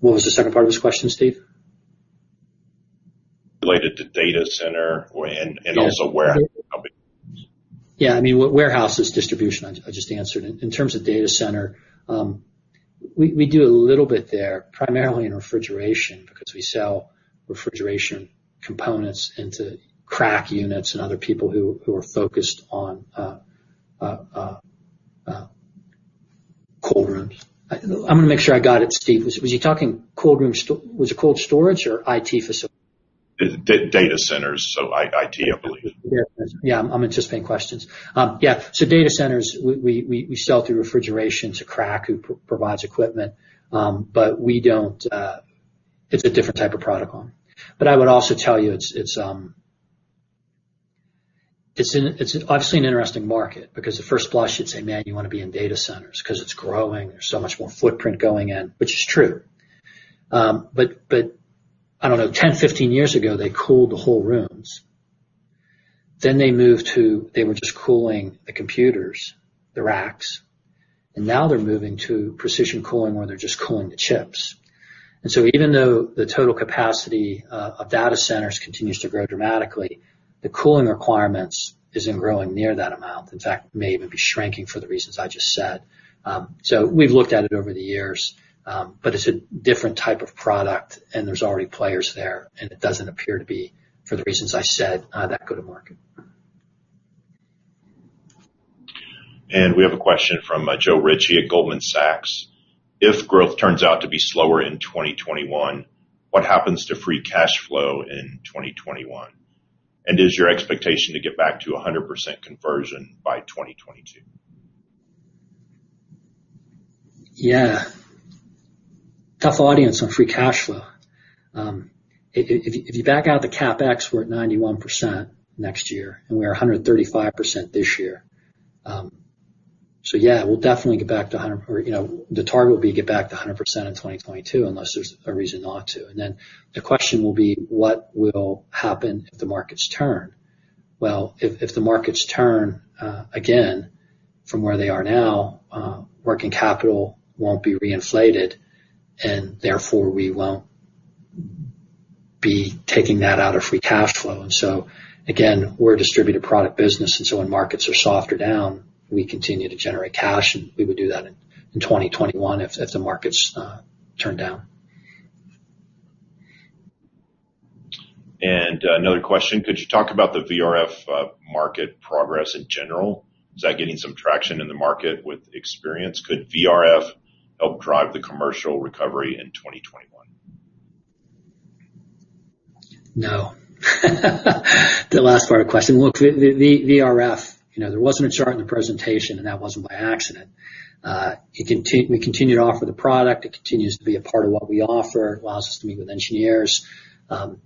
What was the second part of this question, Steve? Related to data center and also warehousing companies. Warehouse is distribution. I just answered. In terms of data center, we do a little bit there, primarily in refrigeration, because we sell refrigeration components into CRAC units and other people who are focused on cold rooms. I'm going to make sure I got it, Steve. Was it cold storage or IT facility? Data centers. IT, I believe. Yeah. I'm anticipating questions. Yeah. Data centers, we sell through refrigeration to CRAC, who provides equipment. It's a different type of product line. I would also tell you, it's obviously an interesting market because the first blush you'd say, man, you want to be in data centers because it's growing. There's so much more footprint going in, which is true. I don't know, 10, 15 years ago, they cooled the whole rooms. They were just cooling the computers, the racks, and now they're moving to precision cooling, where they're just cooling the chips. Even though the total capacity of data centers continues to grow dramatically, the cooling requirements isn't growing near that amount, in fact, may even be shrinking for the reasons I just said. We've looked at it over the years, but it's a different type of product and there's already players there, and it doesn't appear to be, for the reasons I said, that good a market. We have a question from Joe Ritchie at Goldman Sachs. If growth turns out to be slower in 2021, what happens to free cash flow in 2021? Is your expectation to get back to 100% conversion by 2022? Tough audience on free cash flow. If you back out the CapEx, we're at 91% next year, and we're 135% this year. We'll definitely get back to 100%. The target will be get back to 100% in 2022 unless there's a reason not to. The question will be, what will happen if the markets turn? If the markets turn again from where they are now, working capital won't be re-inflated, and therefore, we won't be taking that out of free cash flow. Again, we're a distributed product business, and so when markets are soft or down, we continue to generate cash, and we would do that in 2021 if the markets turn down. Another question. Could you talk about the VRF market progress in general? Is that getting some traction in the market with experience? Could VRF help drive the commercial recovery in 2021? No. The last part of the question. Look, VRF, there wasn't a chart in the presentation, and that wasn't by accident. We continue to offer the product. It continues to be a part of what we offer. It allows us to meet with engineers.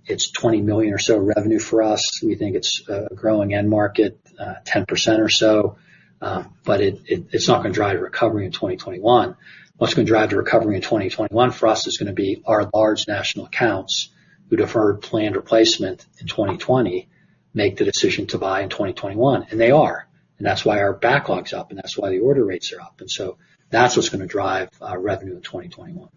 It's $20 million or so revenue for us. We think it's a growing end market, 10% or so. It's not going to drive the recovery in 2021. What's going to drive the recovery in 2021 for us is going to be our large national accounts who deferred planned replacement in 2020, make the decision to buy in 2021. They are. That's why our backlog's up, and that's why the order rates are up. That's what's going to drive our revenue in 2021.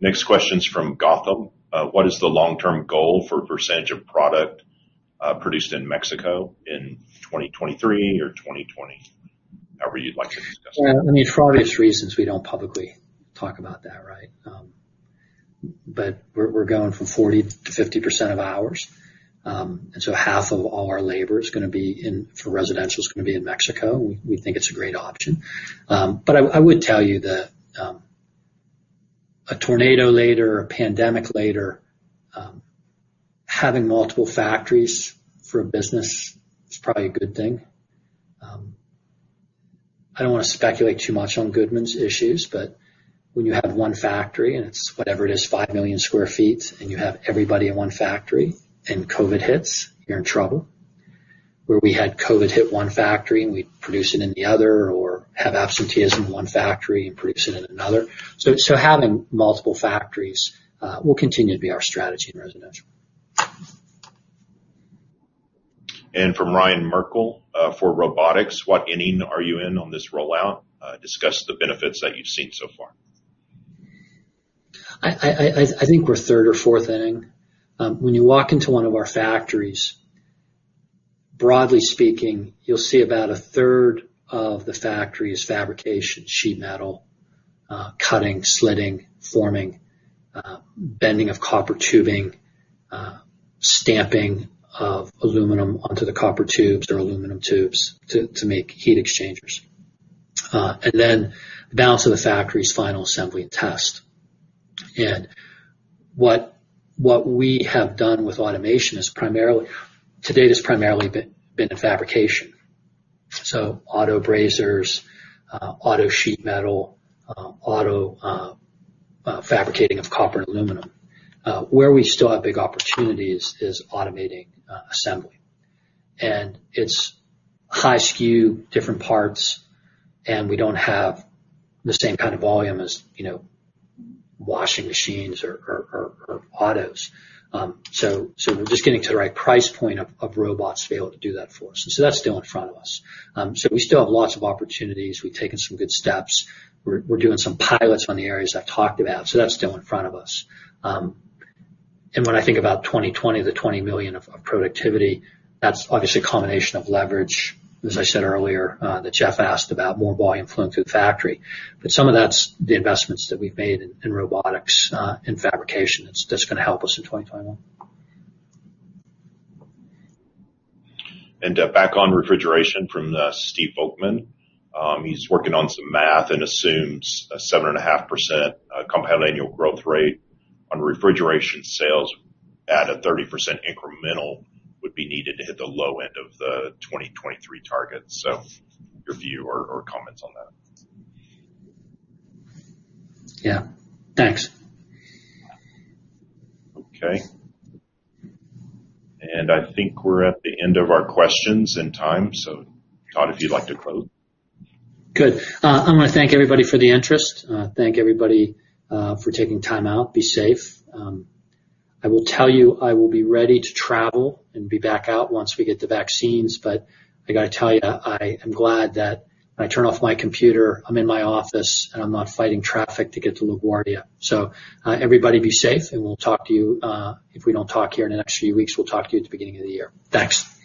Next question's from Gautam. What is the long-term goal for percentage of product produced in Mexico in 2023 or 2020? However, you'd like to discuss that. Yeah. For obvious reasons, we don't publicly talk about that, right? We're going from 40% to 50% of ours. Half of all our labor for residential is going to be in Mexico. We think it's a great option. I would tell you that a tornado later, a pandemic later, having multiple factories for a business is probably a good thing. I don't want to speculate too much on Goodman's issues, but when you have one factory, and it's whatever it is, 5 million sq ft, and you have everybody in one factory and COVID-19 hits, you're in trouble. Where we had COVID-19 hit one factory, and we produce it in the other, or have absenteeism in one factory and produce it in another. Having multiple factories will continue to be our strategy in residential. From Ryan Merkel for robotics, what inning are you in on this rollout? Discuss the benefits that you've seen so far. I think we're third or fourth inning. When you walk into one of our factories, broadly speaking, you'll see about a third of the factory is fabrication, sheet metal, cutting, slitting, forming, bending of copper tubing, stamping of aluminum onto the copper tubes or aluminum tubes to make heat exchangers. Then the balance of the factory is final assembly and test. What we have done with automation to date has primarily been in fabrication. Auto brazers, auto sheet metal, auto fabricating of copper and aluminum. Where we still have big opportunities is automating assembly. It's high SKU, different parts, and we don't have the same kind of volume as washing machines or autos. We're just getting to the right price point of robots to be able to do that for us. That's still in front of us. We still have lots of opportunities. We've taken some good steps. We're doing some pilots on the areas I've talked about, so that's still in front of us. When I think about 2020, the $20 million of productivity, that's obviously a combination of leverage, as I said earlier, that Jeff asked about more volume flowing through the factory. Some of that's the investments that we've made in robotics, in fabrication, that's going to help us in 2021. Back on refrigeration from Steve Volkmann. He's working on some math and assumes a 7.5% compound annual growth rate on refrigeration sales at a 30% incremental would be needed to hit the low end of the 2023 target. Your view or comments on that? Yeah. Thanks. Okay. I think we're at the end of our questions and time. Todd, if you'd like to close? Good. I want to thank everybody for the interest. Thank everybody for taking time out. Be safe. I will tell you, I will be ready to travel and be back out once we get the vaccines. I got to tell you, I am glad that when I turn off my computer, I'm in my office, and I'm not fighting traffic to get to LaGuardia. Everybody be safe, and if we don't talk here in the next few weeks, we'll talk to you at the beginning of the year. Thanks.